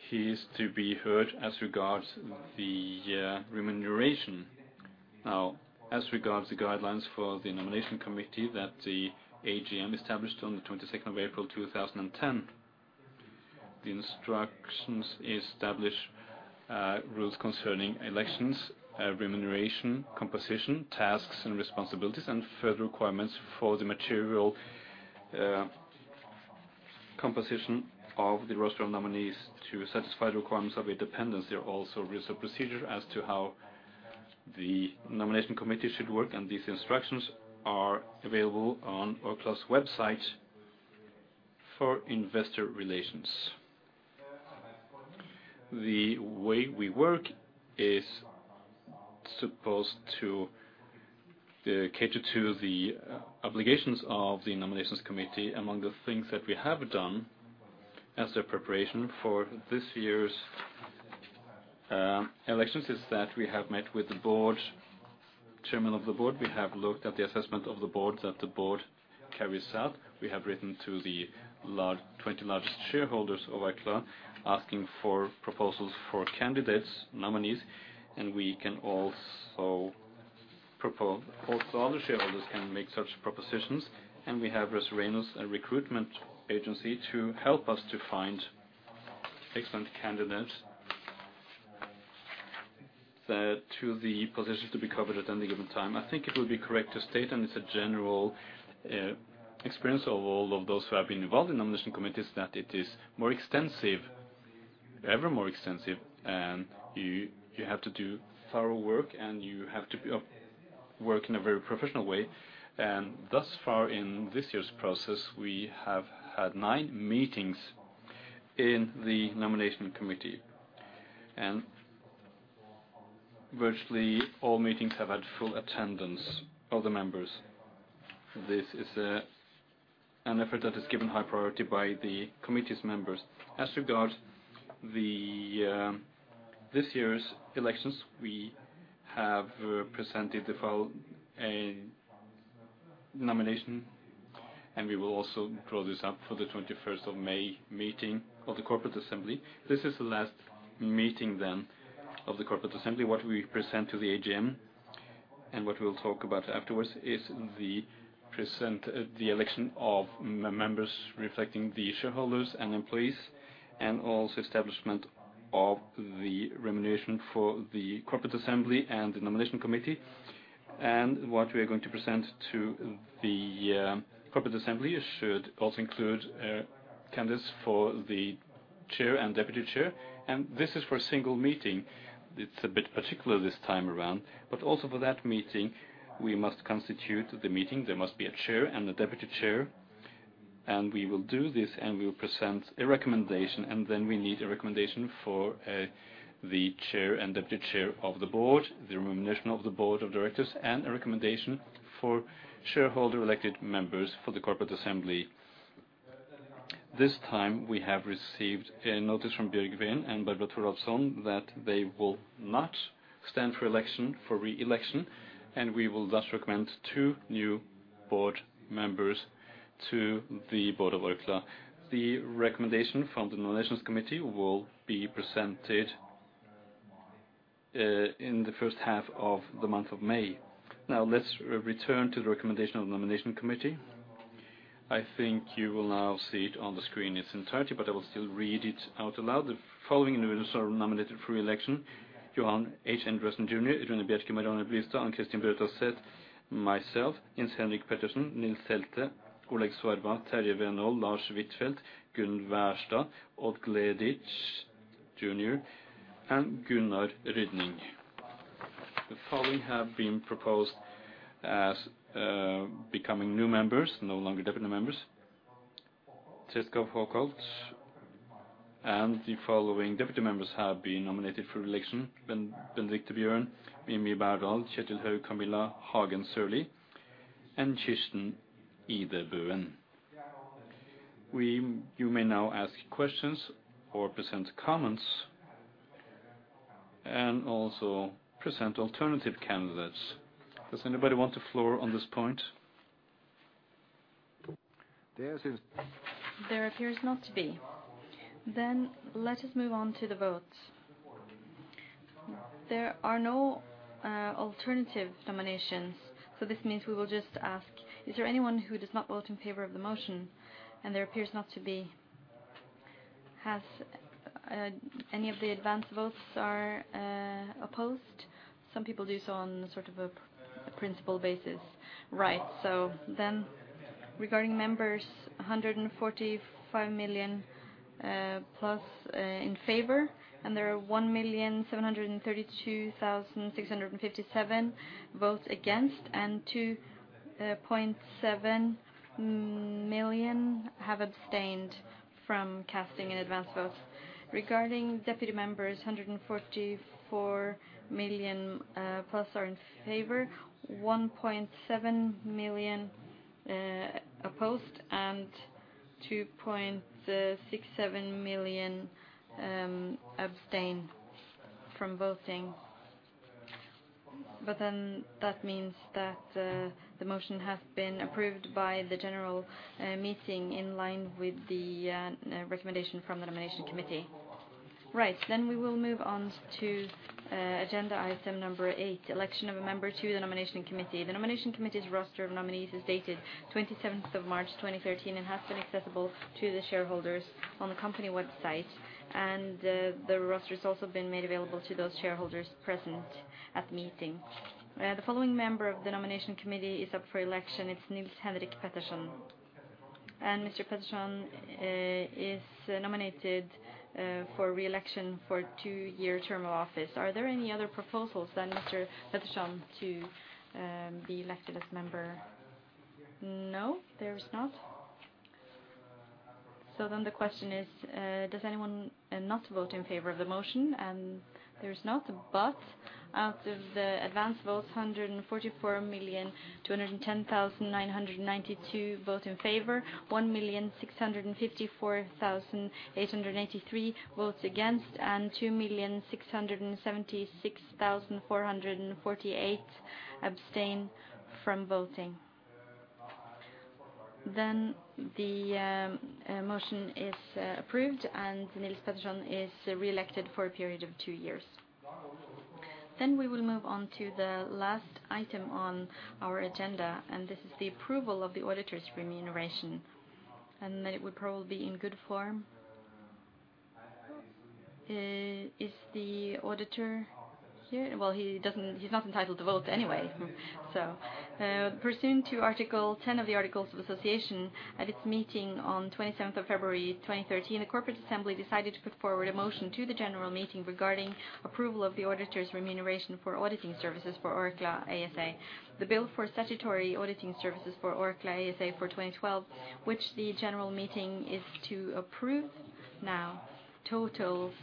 he is to be heard as regards the remuneration. Now, as regards the guidelines for the nomination committee that the AGM established on the twenty-second of April, two thousand and ten, the instructions establish rules concerning elections, remuneration, composition, tasks and responsibilities, and further requirements for the material composition of the roster of nominees. To satisfy the requirements of independence, there are also rules and procedure as to how the nomination committee should work, and these instructions are available on Orkla's website for investor relations. The way we work is supposed to cater to the obligations of the nominations committee. Among the things that we have done as a preparation for this year's elections, is that we have met with the board, chairman of the board. We have looked at the assessment of the board, that the board carries out. We have written to the twenty largest shareholders of Orkla, asking for proposals for candidates, nominees, and we can also propose... Also, other shareholders can make such propositions, and we have Russell Reynolds Associates, a recruitment agency, to help us to find excellent candidates to the positions to be covered at any given time. I think it would be correct to state, and it's a general experience of all of those who have been involved in nomination committees, that it is more extensive, ever more extensive, and you have to do thorough work, and you have to work in a very professional way. Thus far, in this year's process, we have had nine meetings in the Nomination Committee, and virtually all meetings have had full attendance of the members. This is an effort that is given high priority by the committee's members. As regards this year's elections, we have presented the final nomination, and we will also draw this up for the twenty-first of May meeting of the Corporate Assembly. This is the last meeting then of the Corporate Assembly. What we present to the AGM, and what we'll talk about afterwards, is the present the election of members reflecting the shareholders and employees, and also establishment of the remuneration for the corporate assembly and the nomination committee. And what we are going to present to the corporate assembly should also include candidates for the chair and deputy chair, and this is for a single meeting. It's a bit particular this time around, but also for that meeting, we must constitute the meeting. There must be a chair and a deputy chair, and we will do this, and we will present a recommendation. And then we need a recommendation for the chair and deputy chair of the board, the remuneration of the board of directors, and a recommendation for shareholder-elected members for the corporate assembly. This time, we have received a notice from Birgitte and Jesper Ovesen that they will not stand for election, for re-election, and we will thus recommend two new board members to the board of Orkla. The recommendation from the nominations committee will be presented in the first half of the month of May. Now, let's return to the recommendation of the nomination committee. I think you will now see it on the screen in its entirety, but I will still read it out loud. The following individuals are nominated for re-election: Johan H. Andresen Jr., Rune Bjerke, Marianne Blystad, Ann Kristin Brautaset, myself, Nils-Henrik Pettersson, Nils Selte, Olav Svarva, Terje Venold, Lars Windfeldt, Gunn Wærsted, Odd Gleditsch Jr., and Gunnar Rydning. The following have been proposed as becoming new members, no longer deputy members, Scilla Treschow, and the following deputy members have been nominated for re-election: Benedicte Bjørn, Mimi K. Berdal, Kjetil Houg, Camilla Hagen Sørli, and Kirsten Idebøen. You may now ask questions or present comments, and also present alternative candidates. Does anybody want the floor on this point? There appears not to be. Then let us move on to the vote. There are no alternative nominations, so this means we will just ask, is there anyone who does not vote in favor of the motion? And there appears not to be. Have any of the advance votes opposed? Some people do so on sort of a principle basis. Right. So then, regarding members, 145 million plus in favor, and there are 1,732,657 votes against, and 2.7 million have abstained from casting in advance votes. Regarding deputy members, 144 million plus are in favor, 1.7 million opposed, and 2.67 million abstain from voting. But then that means that the motion has been approved by the general meeting, in line with the recommendation from the nomination committee. Right, then we will move on to agenda item number eight, election of a member to the nomination committee. The nomination committee's roster of nominees is dated twenty-seventh of March, 2013, and has been accessible to the shareholders on the company website, and the roster has also been made available to those shareholders present at the meeting. The following member of the nomination committee is up for election. It's Nils-Henrik Pettersson, and Mr. Pettersson is nominated for re-election for a two-year term of office. Are there any other proposals than Mr. Pettersson to be elected as member? No, there is not. So then the question is, does anyone not vote in favor of the motion? There's not, but out of the advance votes, a hundred and forty-four million, two hundred and ten thousand nine hundred and ninety-two vote in favor, one million six hundred and fifty-four thousand eight hundred and eighty-three votes against, and two million six hundred and seventy-six thousand four hundred and forty-eight abstain from voting. Then the motion is approved, and Nils-Henrik Pettersson is re-elected for a period of two years. Then we will move on to the last item on our agenda, and this is the approval of the auditor's remuneration, and it will probably be in good form. Is the auditor... Well, he doesn't. He's not entitled to vote anyway. Pursuant to Article 10 of the Articles of Association, at its meeting on twenty-seventh of February 2013, the Corporate Assembly decided to put forward a motion to the general meeting regarding approval of the auditor's remuneration for auditing services for Orkla ASA. The bill for statutory auditing services for Orkla ASA for 2012, which the general meeting is to approve now, totals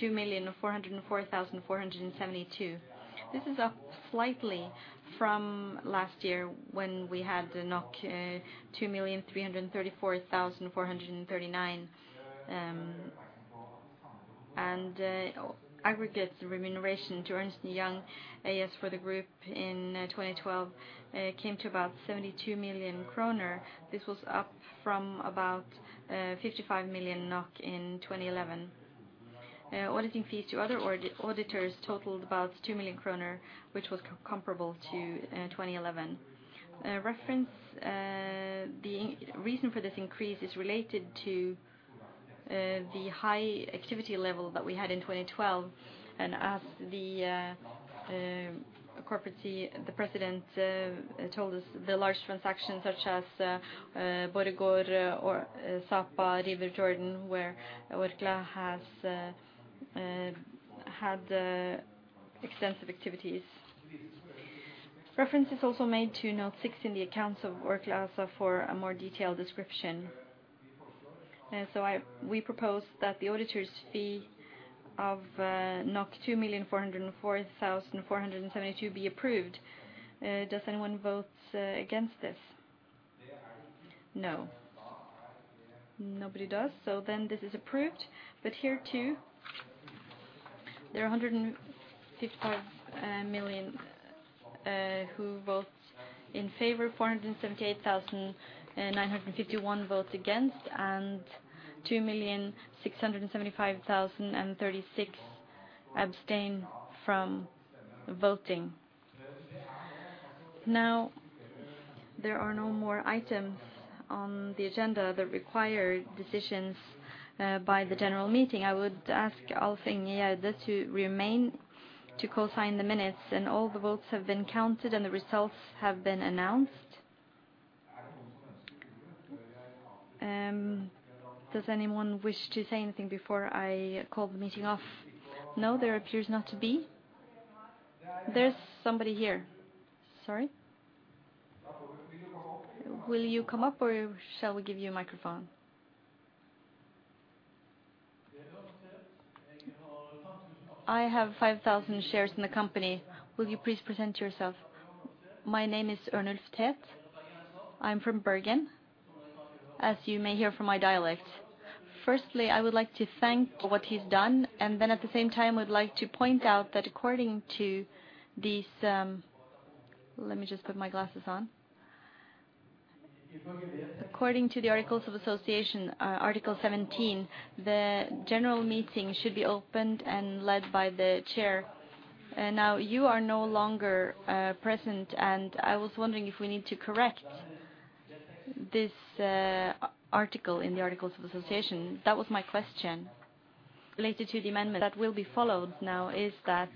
2,404,472. This is up slightly from last year, when we had the 2,334,439. Aggregate remuneration to Ernst & Young AS for the group in 2012 came to about 72 million kroner. This was up from about 55 million NOK in 2011. Auditing fees to other auditors totaled about 2 million kroner, which was comparable to 2011. Reference, the reason for this increase is related to the high activity level that we had in 2012, and as the president told us, the large transactions, such as Borregaard or Sapa, Rieber, Jordan, where Orkla has had extensive activities. Reference is also made to note six in the accounts of Orkla ASA for a more detailed description. So we propose that the auditor's fee of 2,404,472 be approved. Does anyone vote against this? No. Nobody does, so then this is approved. But here, too, there are a hundred and sixty-five million who vote in favor, four hundred and seventy-eight thousand nine hundred and fifty-one vote against, and two million six hundred and seventy-five thousand and thirty-six abstain from voting. Now, there are no more items on the agenda that require decisions by the general meeting. I would ask Alf-Inge, yeah, just to remain to co-sign the minutes, and all the votes have been counted, and the results have been announced. Does anyone wish to say anything before I call the meeting off? No, there appears not to be. There's somebody here. Sorry. Will you come up, or shall we give you a microphone? I have five thousand shares in the company. Will you please present yourself? My name is Arnulf Tvedt. I'm from Bergen, as you may hear from my dialect. Firstly, I would like to thank what he's done, and then, at the same time, would like to point out that according to these. Let me just put my glasses on. According to the Articles of Association, Article 17, the general meeting should be opened and led by the Chair. Now, you are no longer present, and I was wondering if we need to correct this article in the Articles of Association. That was my question. Related to the amendment that will be followed now, is that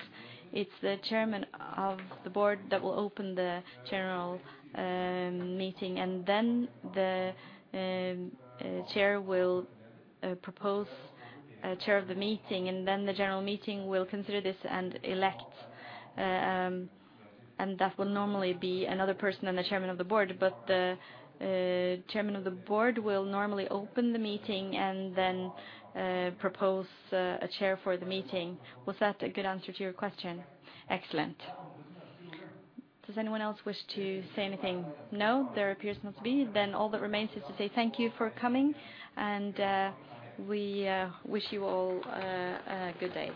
it's the Chairman of the Board that will open the general meeting, and then the Chair will propose a chair of the meeting, and then the general meeting will consider this and elect, and that will normally be another person than the Chairman of the Board. But the Chairman of the Board will normally open the meeting, and then propose a chair for the meeting. Was that a good answer to your question? Excellent. Does anyone else wish to say anything? No, there appears not to be. Then all that remains is to say thank you for coming, and we wish you all a good day.